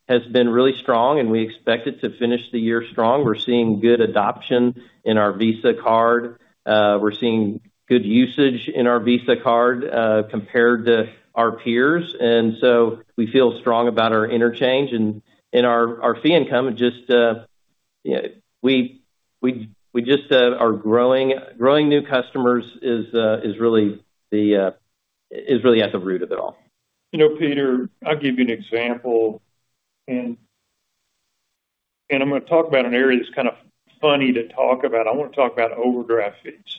D: has been really strong, we expect it to finish the year strong. We're seeing good adoption in our Visa card. We're seeing good usage in our Visa card compared to our peers. We feel strong about our interchange and our fee income. Growing new customers is really at the root of it all.
C: Peter, I'll give you an example, I'm going to talk about an area that's kind of funny to talk about. I want to talk about overdraft fees.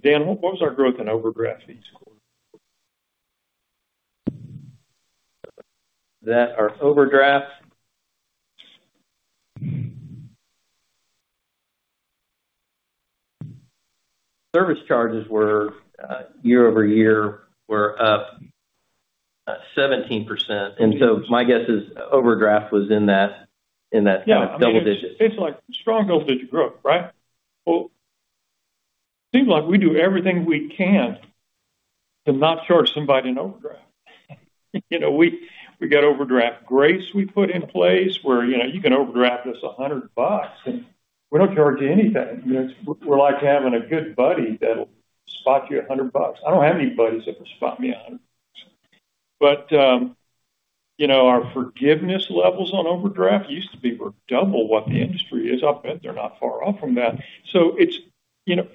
C: Dan, what was our growth in overdraft fees quarter?
D: Our overdraft service charges year-over-year were up 17%. My guess is overdraft was in that double digits.
C: It's like strong double-digit growth, right? Seems like we do everything we can to not charge somebody an overdraft. We got overdraft grace we put in place where you can overdraft us $100 and we don't charge you anything. We're like having a good buddy that'll spot you $100. I don't have any buddies that can spot me $100. Our forgiveness levels on overdraft used to be double what the industry is. I'll bet they're not far off from that.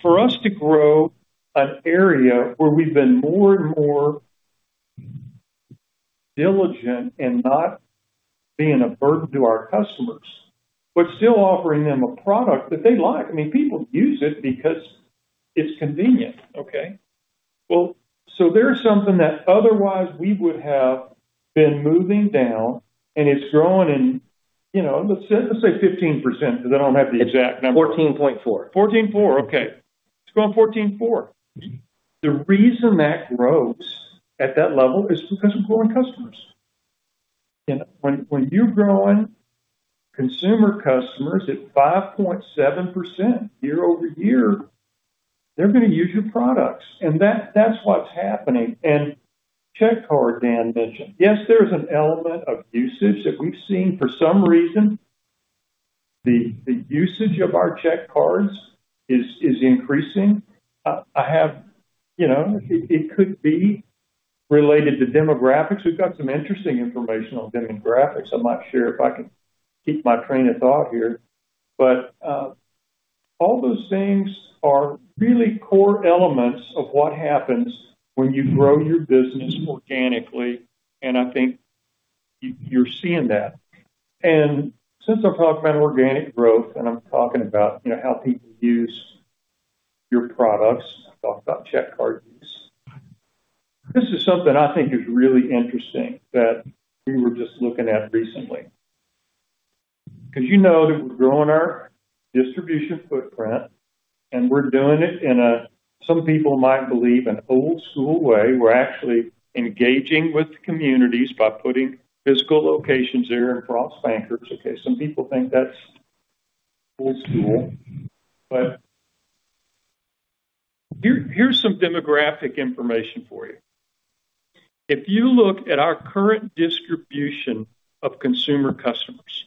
C: For us to grow an area where we've been more and more diligent and not being a burden to our customers, but still offering them a product that they like. People use it because it's convenient. Okay. There's something that otherwise we would have been moving down and it's growing in, let's say 15%, because I don't have the exact number.
D: 14.4%.
C: 14.4%. Okay. It's grown 14.4%. The reason that grows at that level is because we're growing customers. When you're growing consumer customers at 5.7% year-over-year, they're going to use your products. That's what's happening. Check card Dan mentioned. Yes, there's an element of usage that we've seen. For some reason, the usage of our check cards is increasing. It could be related to demographics. We've got some interesting information on demographics. I'm not sure if I can keep my train of thought here, all those things are really core elements of what happens when you grow your business organically, and I think you're seeing that. Since I'm talking about organic growth and I'm talking about how people use your products, I've talked about check card use. This is something I think is really interesting that we were just looking at recently. We're growing our distribution footprint, and we're doing it in a, some people might believe, an old school way. We're actually engaging with the communities by putting physical locations there in Frost Bankers, okay? Some people think that's old school. Here's some demographic information for you. If you look at our current distribution of consumer customers,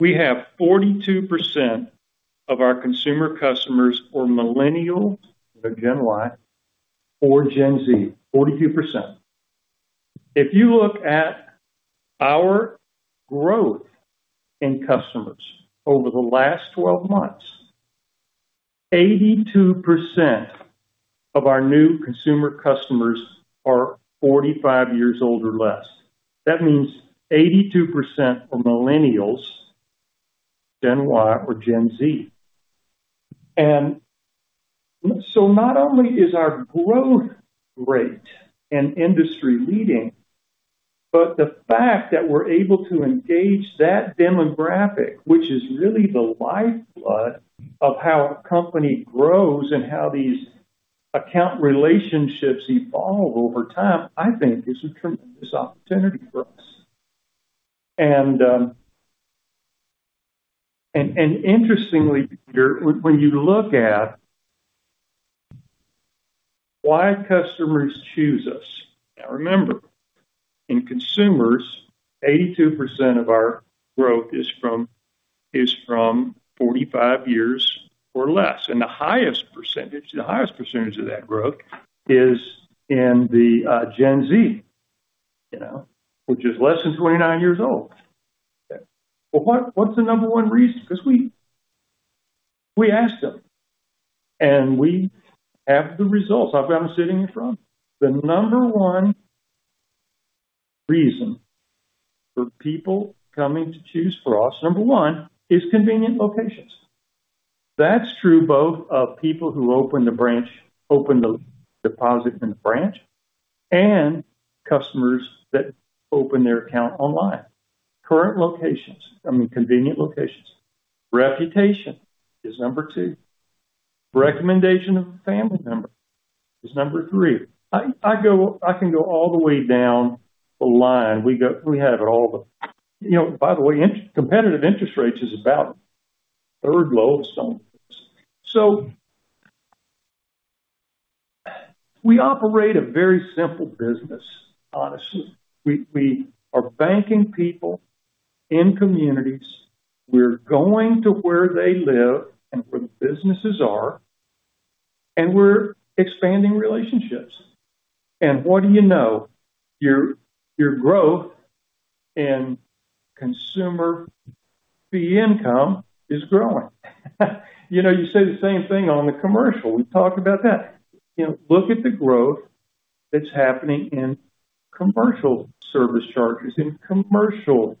C: we have 42% of our consumer customers who are Millennials or Gen Y or Gen Z, 42%. If you look at our growth in customers over the last 12 months, 82% of our new consumer customers are 45 years old or less. That means 82% are Millennials, Gen Y or Gen Z. Not only is our growth rate and industry leading, but the fact that we're able to engage that demographic, which is really the lifeblood of how a company grows and how these account relationships evolve over time, I think is a tremendous opportunity for us. Interestingly, Peter, when you look at, "why customers choose us". Remember, in consumers, 82% of our growth is from 45 years or less, and the highest percentage of that growth is in the Gen Z, which is less than 29 years old. What's the number one reason? We asked them, and we have the results. I've got them sitting in front of me. The number one reason for people coming to choose Frost, number one, is convenient locations. That's true both of people who open the deposit in the branch and customers that open their account online. Current locations, I mean, convenient locations. Reputation is number two. Recommendation of a family member is number three. I can go all the way down the line. We have all the. By the way, competitive interest rates is about third lowest of some of this. We operate a very simple business, honestly. We are banking people in communities. We're going to where they live and where the businesses are, and we're expanding relationships. What do you know? Your growth and consumer fee income is growing. You say the same thing on the commercial. We talk about that. Look at the growth that's happening in commercial service charges, in commercial-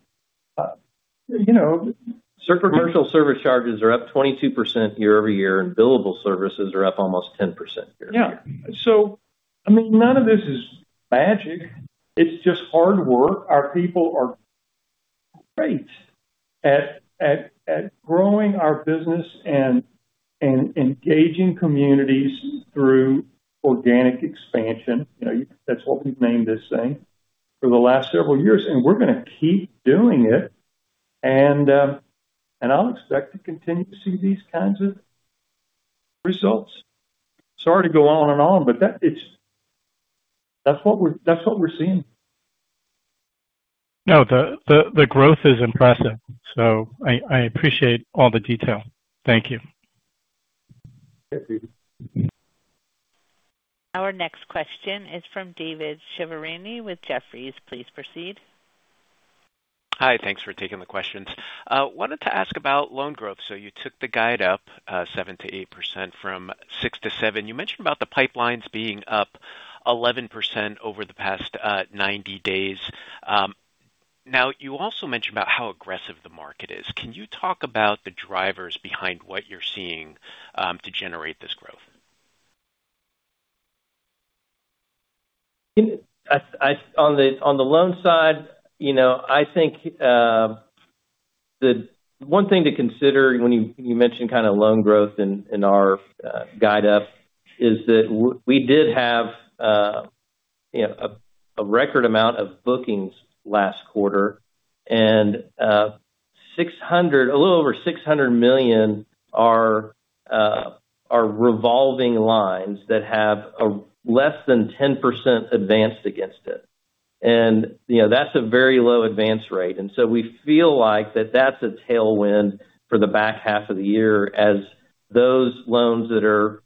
D: Commercial service charges are up 22% year-over-year. Billable services are up almost 10% year-over-year.
C: Yeah. None of this is magic. It's just hard work. Our people are great at growing our business and engaging communities through organic expansion. That's what we've named this thing, for the last several years, we're going to keep doing it. I'll expect to continue to see these kinds of results. Sorry to go on and on, but that's what we're seeing.
I: No, the growth is impressive. I appreciate all the detail. Thank you.
C: Yes, David.
A: Our next question is from David Chiaverini with Jefferies. Please proceed.
J: Hi, thanks for taking the questions. Wanted to ask about loan growth. You took the guide up, 7%-8% from 6%-7%. You mentioned about the pipelines being up 11% over the past 90 days. You also mentioned about how aggressive the market is. Can you talk about the drivers behind what you're seeing to generate this growth?
D: On the loan side, I think, the one thing to consider when you mention loan growth in our guide up is that we did have a record amount of bookings last quarter, and a little over $600 million are revolving lines that have less than 10% advanced against it. That's a very low advance rate. We feel like that that's a tailwind for the back half of the year as those loans that are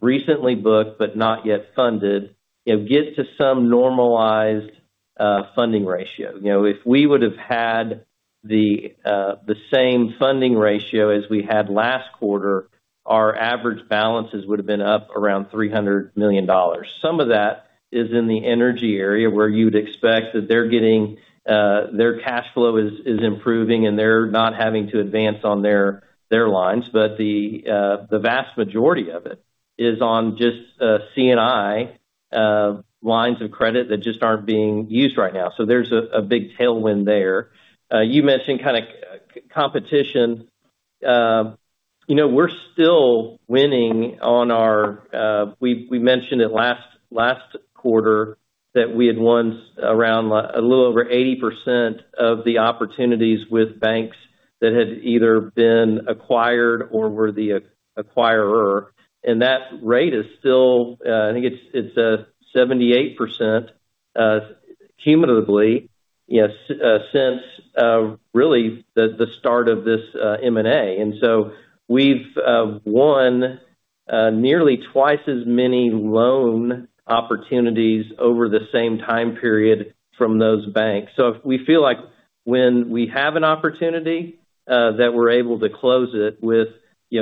D: recently booked, but not yet funded, get to some normalized funding ratio. If we would've had the same funding ratio as we had last quarter, our average balances would've been up around $300 million. Some of that is in the energy area where you'd expect that their cash flow is improving and they're not having to advance on their lines. The vast majority of it is on just C&I lines of credit that just aren't being used right now. There's a big tailwind there. You mentioned competition. We're still winning. We mentioned it last quarter that we had won a little over 80% of the opportunities with banks that had either been acquired or were the acquirer. That rate is still, I think it's 78% cumulatively since really the start of this M&A. We've won nearly twice as many loan opportunities over the same time period from those banks. We feel like when we have an opportunity, that we're able to close it with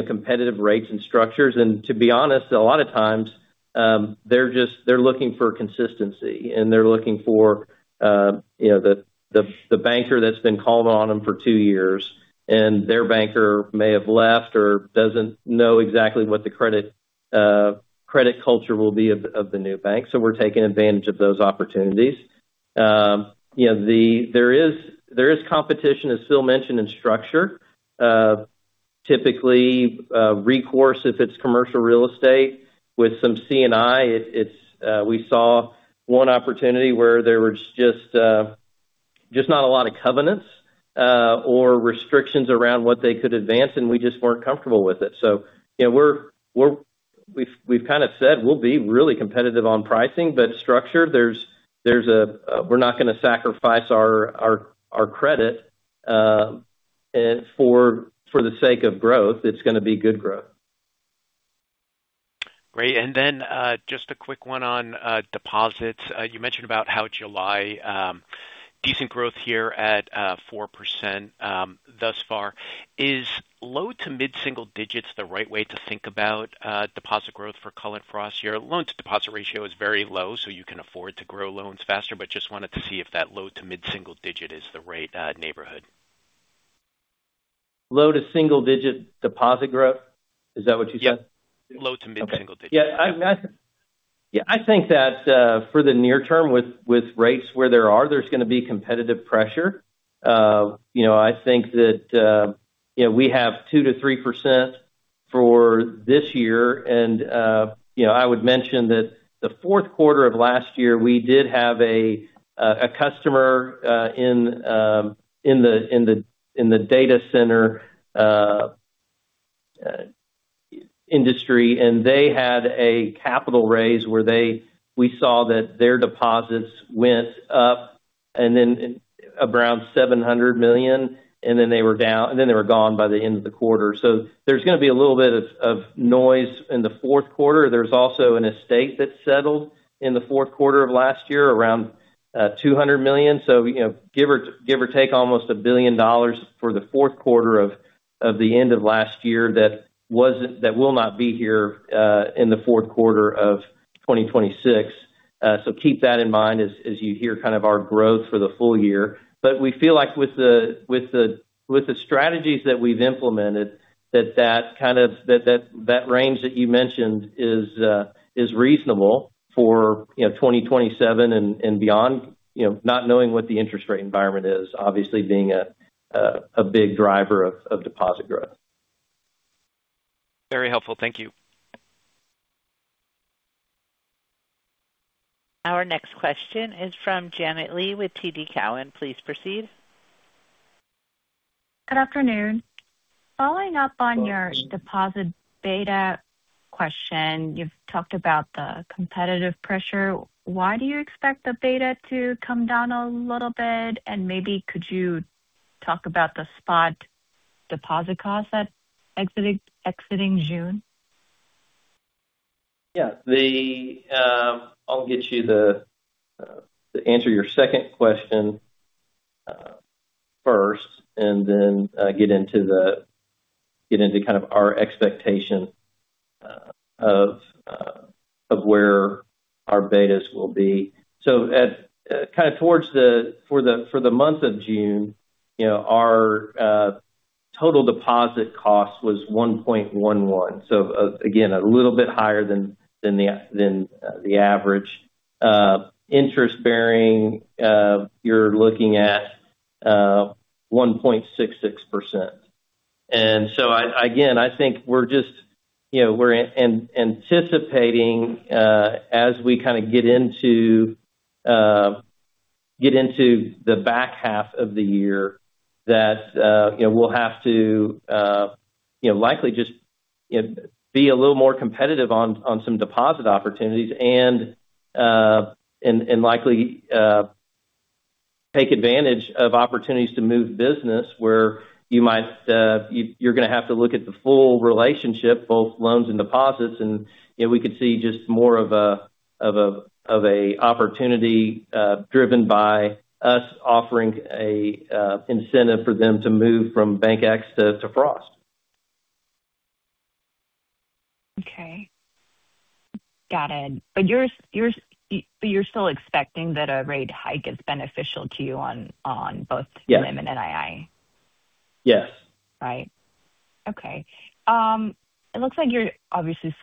D: competitive rates and structures. To be honest, a lot of times, they're looking for consistency and they're looking for the banker that's been called on them for two years, and their banker may have left or doesn't know exactly what the credit culture will be of the new bank. We're taking advantage of those opportunities. There is competition, as Phil mentioned, in structure. Typically, recourse if it's commercial real estate with some C&I. We saw one opportunity where there was just not a lot of covenants or restrictions around what they could advance, and we just weren't comfortable with it. We've kind of said we'll be really competitive on pricing, but structure, we're not going to sacrifice our credit for the sake of growth. It's going to be good growth.
J: Great. Just a quick one on deposits. You mentioned about how July, decent growth here at 4% thus far. Is low to mid-single digits the right way to think about deposit growth for Cullen/Frost here? Loan to deposit ratio is very low, so you can afford to grow loans faster, but just wanted to see if that low to mid-single digit is the right neighborhood.
D: Low to single digit deposit growth? Is that what you said?
J: Yeah. Low to mid-single digit.
D: Okay. Yeah, I think that for the near term with rates where they are, there's going to be competitive pressure. I think that we have 2%-3% for this year. I would mention that the fourth quarter of last year, we did have a customer in the data center industry, and they had a capital raise where we saw that their deposits went up around $700 million, and then they were gone by the end of the quarter. There's going to be a little bit of noise in the fourth quarter. There's also an estate that settled in the fourth quarter of last year, around $200 million. Give or take almost $1 billion for the fourth quarter of the end of last year that will not be here in the fourth quarter of 2026. Keep that in mind as you hear kind of our growth for the full year. We feel like with the strategies that we've implemented, that range that you mentioned is reasonable for 2027 and beyond, not knowing what the interest rate environment is, obviously being a big driver of deposit growth.
J: Very helpful. Thank you.
A: Our next question is from Janet Lee with TD Cowen. Please proceed.
K: Good afternoon. Following up on your deposit beta question, you've talked about the competitive pressure. Why do you expect the beta to come down a little bit? Maybe could you talk about the spot deposit cost exiting June?
D: Yeah. I'll get you to answer your second question first and then get into kind of our expectation of where our betas will be. For the month of June, our total deposit cost was 1.11%. Again, a little bit higher than the average. Interest-bearing, you're looking at 1.66%. Again, I think we're anticipating as we kind of get into the back half of the year that we'll have to likely just be a little more competitive on some deposit opportunities and likely take advantage of opportunities to move business where you're going to have to look at the full relationship, both loans and deposits. We could see just more of an opportunity driven by us offering an incentive for them to move from BankX to Frost.
K: Okay. Got it. You're still expecting that a rate hike is beneficial to you on both-
D: Yes.
K: -NIM and NII?
D: Yes.
K: Right. Okay. It looks like you're obviously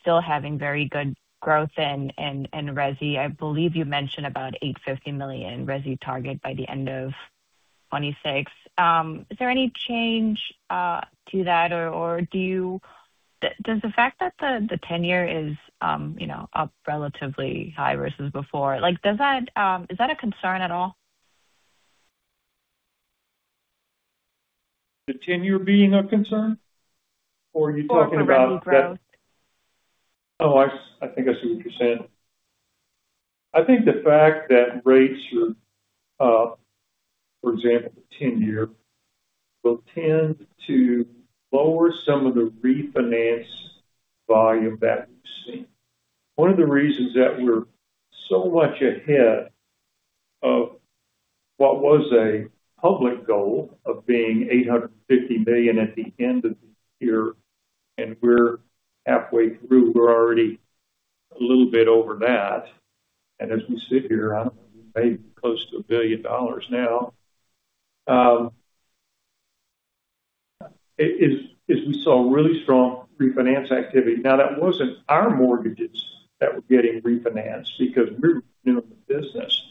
K: still having very good growth in resi. I believe you mentioned about $850 million resi target by the end of 2026. Is there any change to that? Does the fact that the 10-year is up relatively high versus before, is that a concern at all?
C: The 10-year being a concern? Are you talking about--
K: The resi growth.
C: I think I see what you're saying. I think the fact that rates are, for example, the 10-year, will tend to lower some of the refinance volume that we've seen. One of the reasons that we're so much ahead of what was a public goal of being $850 million at the end of the year, we're halfway through, we're already a little bit over that. As we sit here, I don't know, maybe close to $1 billion now is we saw really strong refinance activity. That wasn't our mortgages that were getting refinanced because we're new in the business.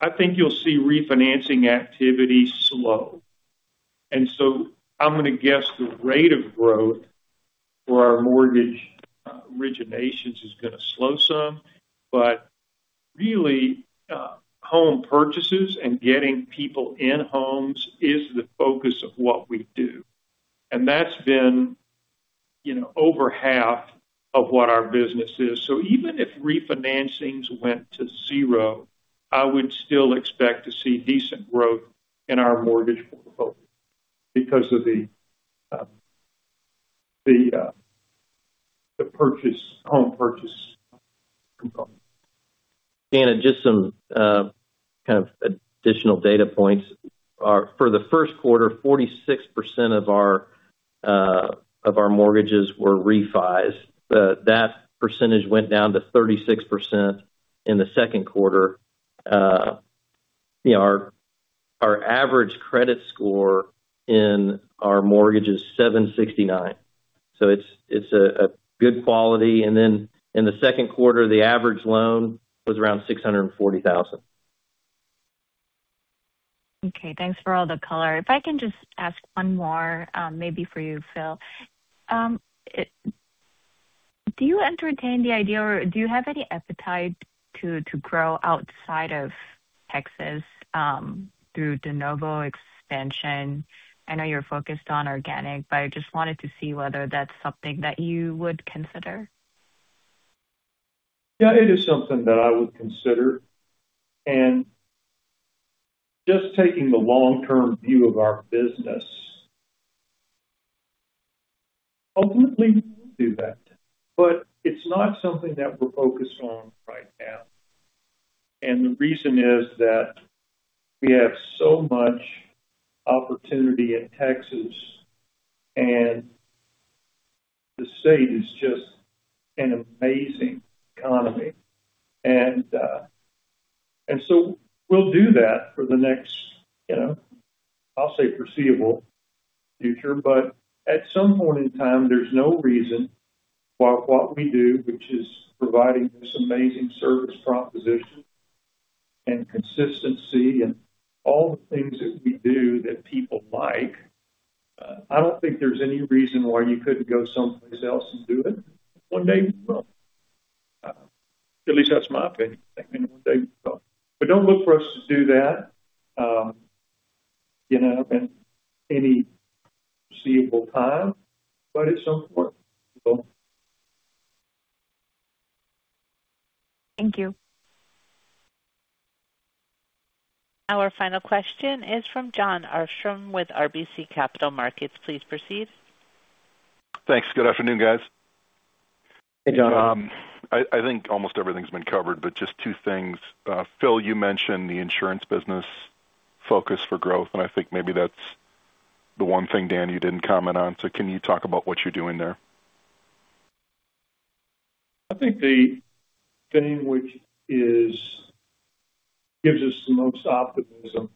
C: I think you'll see refinancing activity slow. I'm going to guess the rate of growth for our mortgage originations is going to slow some. Really, home purchases and getting people in homes is the focus of what we do. That's been over half of what our business is. Even if refinancings went to zero, I would still expect to see decent growth in our mortgage portfolio because of the home purchase component.
D: Janet, just some kind of additional data points. For the first quarter, 46% of our mortgages were refis. That percentage went down to 36% in the second quarter. Our average credit score in our mortgage is 769. It's a good quality. In the second quarter, the average loan was around $640,000.
K: Okay, thanks for all the color. If I can just ask one more, maybe for you, Phil. Do you entertain the idea, or do you have any appetite to grow outside of Texas through de novo expansion? I know you're focused on organic, but I just wanted to see whether that's something that you would consider.
C: Yeah, it is something that I would consider. Just taking the long-term view of our business, ultimately, we'll do that, but it's not something that we're focused on right now. The reason is that we have so much opportunity in Texas, and the state is just an amazing economy. We'll do that for the next, I'll say, foreseeable future. At some point in time, there's no reason why what we do, which is providing this amazing service proposition and consistency and all the things that we do that people like, I don't think there's any reason why you couldn't go someplace else and do it. One day we will. At least that's my opinion. One day we will. Don't look for us to do that in any foreseeable time, but at some point, we will.
K: Thank you.
A: Our final question is from Jon Arfstrom with RBC Capital Markets. Please proceed.
L: Thanks. Good afternoon, guys.
D: Hey, Jon.
L: I think almost everything's been covered, but just two things. Phil, you mentioned the insurance business focus for growth, and I think maybe that's the one thing, Dan, you didn't comment on. Can you talk about what you're doing there?
C: I think the thing which gives us the most optimism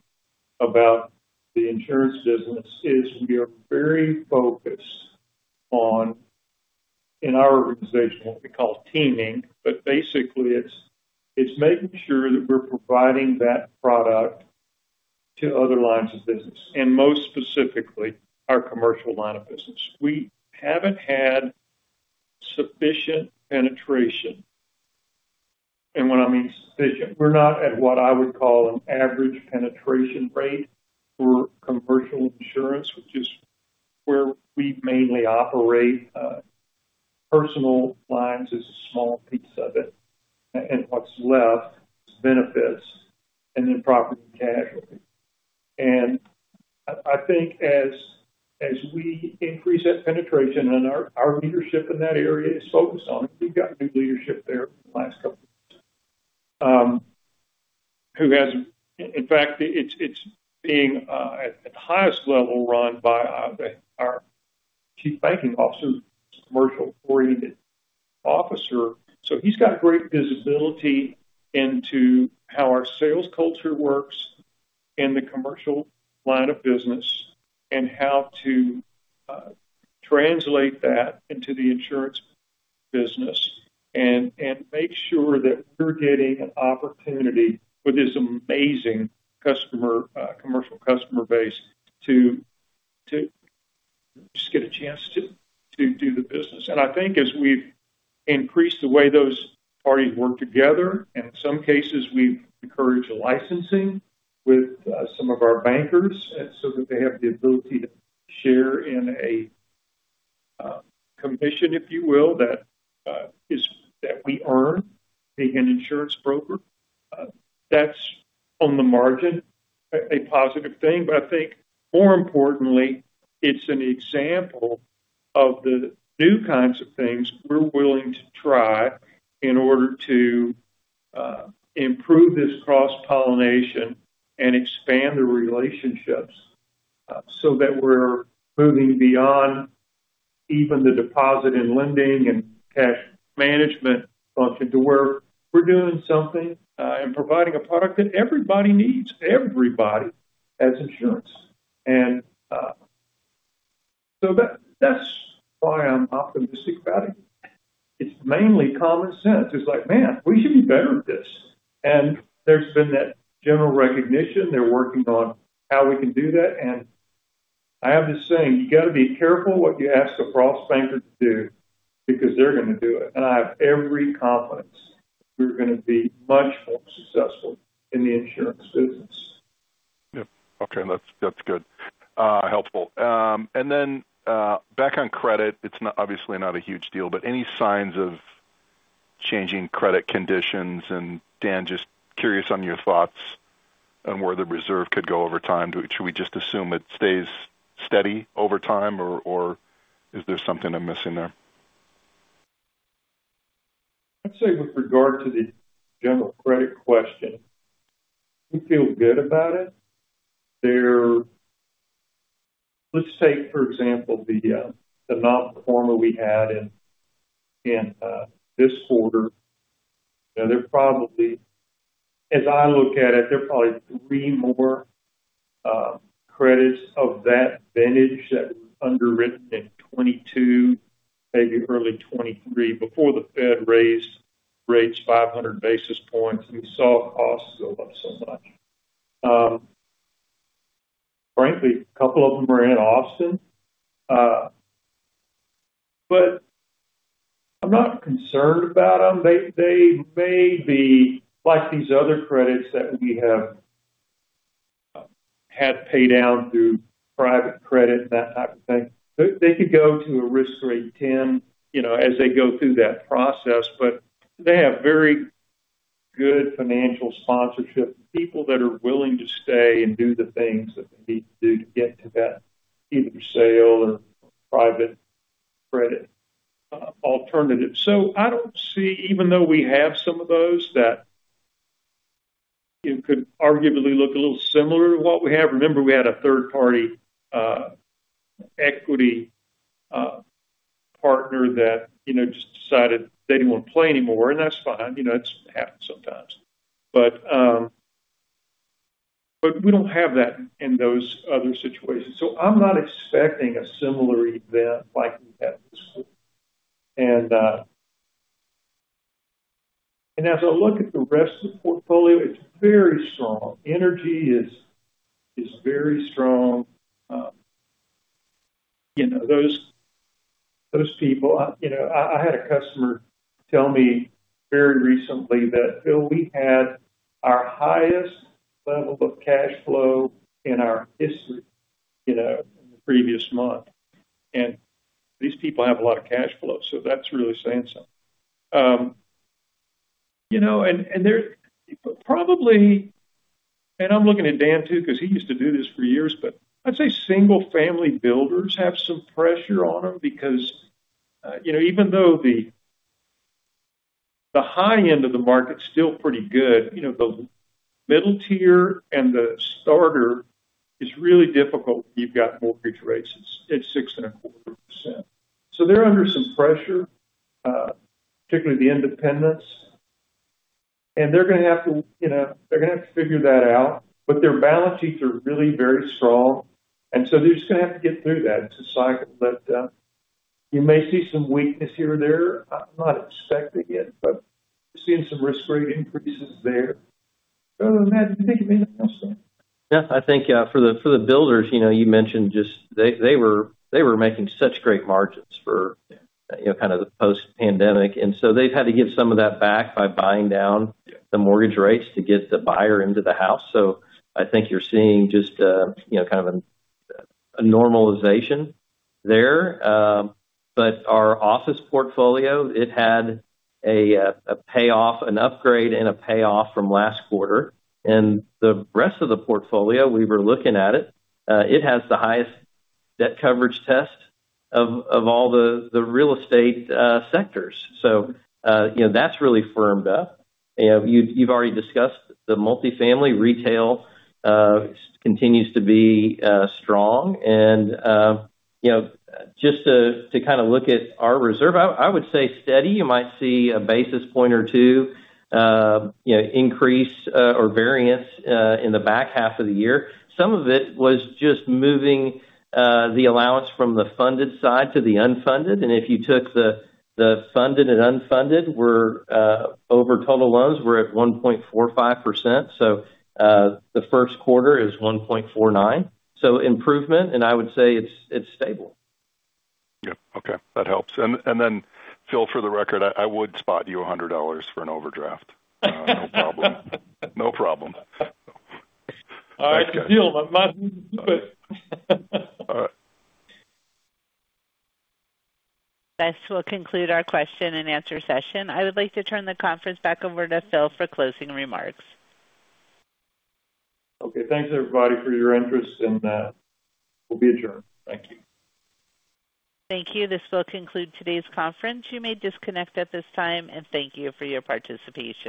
C: about the insurance business is we are very focused on, in our organization, what we call teaming, but basically it's making sure that we're providing that product to other lines of business, and most specifically, our commercial line of business. We haven't had sufficient penetration. When I mean sufficient, we're not at what I would call an average penetration rate for commercial insurance, which is where we mainly operate. Personal lines is a small piece of it, and what's left is benefits and then property and casualty. I think as we increase that penetration, our leadership in that area is focused on it. We've got new leadership there in the last couple years. In fact, it's being at the highest level run by our Chief Banking Officer, commercial-oriented officer. He's got great visibility into how our sales culture works in the commercial line of business and how to translate that into the insurance business and make sure that we're getting an opportunity with this amazing commercial customer base to just get a chance to do the business. I think as we've increased the way those parties work together, and in some cases, we've encouraged licensing with some of our bankers so that they have the ability to share in a commission, if you will, that we earn being an insurance broker. That's on the margin, a positive thing. I think more importantly, it's an example of the new kinds of things we're willing to try in order to improve this cross-pollination and expand the relationships so that we're moving beyond even the deposit and lending and cash management function to where we're doing something and providing a product that everybody needs. Everybody has insurance. That's why I'm optimistic about it. It's mainly common sense. It's like, man, we should be better at this. There's been that general recognition. They're working on how we can do that. I have this saying, you got to be careful what you ask a Frost Banker to do because they're going to do it. I have every confidence we're going to be much more successful in the insurance business.
L: Yep. Okay. That's good. Helpful. Back on credit, it's obviously not a huge deal, but any signs of changing credit conditions? Dan, just curious on your thoughts on where the reserve could go over time. Should we just assume it stays steady over time, or is there something I'm missing there?
C: I'd say with regard to the general credit question, we feel good about it. Let's say, for example, the non-performer we had in this quarter, as I look at it, there are probably three more credits of that vintage that were underwritten in 2022, maybe early 2023, before the Fed raised rates 500 basis points and we saw costs go up so much. Frankly, a couple of them are in Austin. I'm not concerned about them. They may be like these other credits that we have had pay down through private credit and that type of thing. They could go to a risk rate 10 as they go through that process. They have very good financial sponsorship, people that are willing to stay and do the things that they need to do to get to that either sale or private credit alternative. I don't see, even though we have some of those, that it could arguably look a little similar to what we have. Remember, we had a third-party equity partner that just decided they didn't want to play anymore, and that's fine. It happens sometimes. We don't have that in those other situations. I'm not expecting a similar event like we had this quarter. As I look at the rest of the portfolio, it's very strong. Energy is very strong. I had a customer tell me very recently that, "Phil, we had our highest level of cash flow in our history in the previous month." These people have a lot of cash flow, so that's really saying something. I'm looking at Dan too because he used to do this for years, I'd say single-family builders have some pressure on them because even though the high end of the market's still pretty good, the middle tier and the starter is really difficult when you've got mortgage rates at 6.25%. They're under some pressure, particularly the independents. They're going to have to figure that out. Their balance sheets are really very strong, they're just going to have to get through that. It's a cycle. You may see some weakness here or there. I'm not expecting it, but seeing some risk rate increases there. Other than that, can you think of anything else, Dan?
D: Yeah. I think for the builders, you mentioned just they were making such great margins for kind of the post-pandemic. They've had to give some of that back by buying down the mortgage rates to get the buyer into the house. I think you're seeing just kind of a normalization there. Our office portfolio, it had an upgrade and a payoff from last quarter. The rest of the portfolio, we were looking at it has the highest debt coverage test of all the real estate sectors. That's really firmed up. You've already discussed the multifamily retail continues to be strong. Just to kind of look at our reserve, I would say steady. You might see a basis point or two increase or variance in the back half of the year. Some of it was just moving the allowance from the funded side to the unfunded. If you took the funded and unfunded over total loans, we're at 1.45%. The first quarter is 1.49%. Improvement, and I would say it's stable.
L: Yep. Okay. That helps. Phil, for the record, I would spot you $100 for an overdraft. No problem. No problem.
C: All right, deal. My money's in the cupboard.
L: All right.
A: This will conclude our question and answer session. I would like to turn the conference back over to Phil for closing remarks.
C: Okay. Thanks, everybody, for your interest, and we'll be adjourned. Thank you.
A: Thank you. This will conclude today's conference. You may disconnect at this time, and thank you for your participation.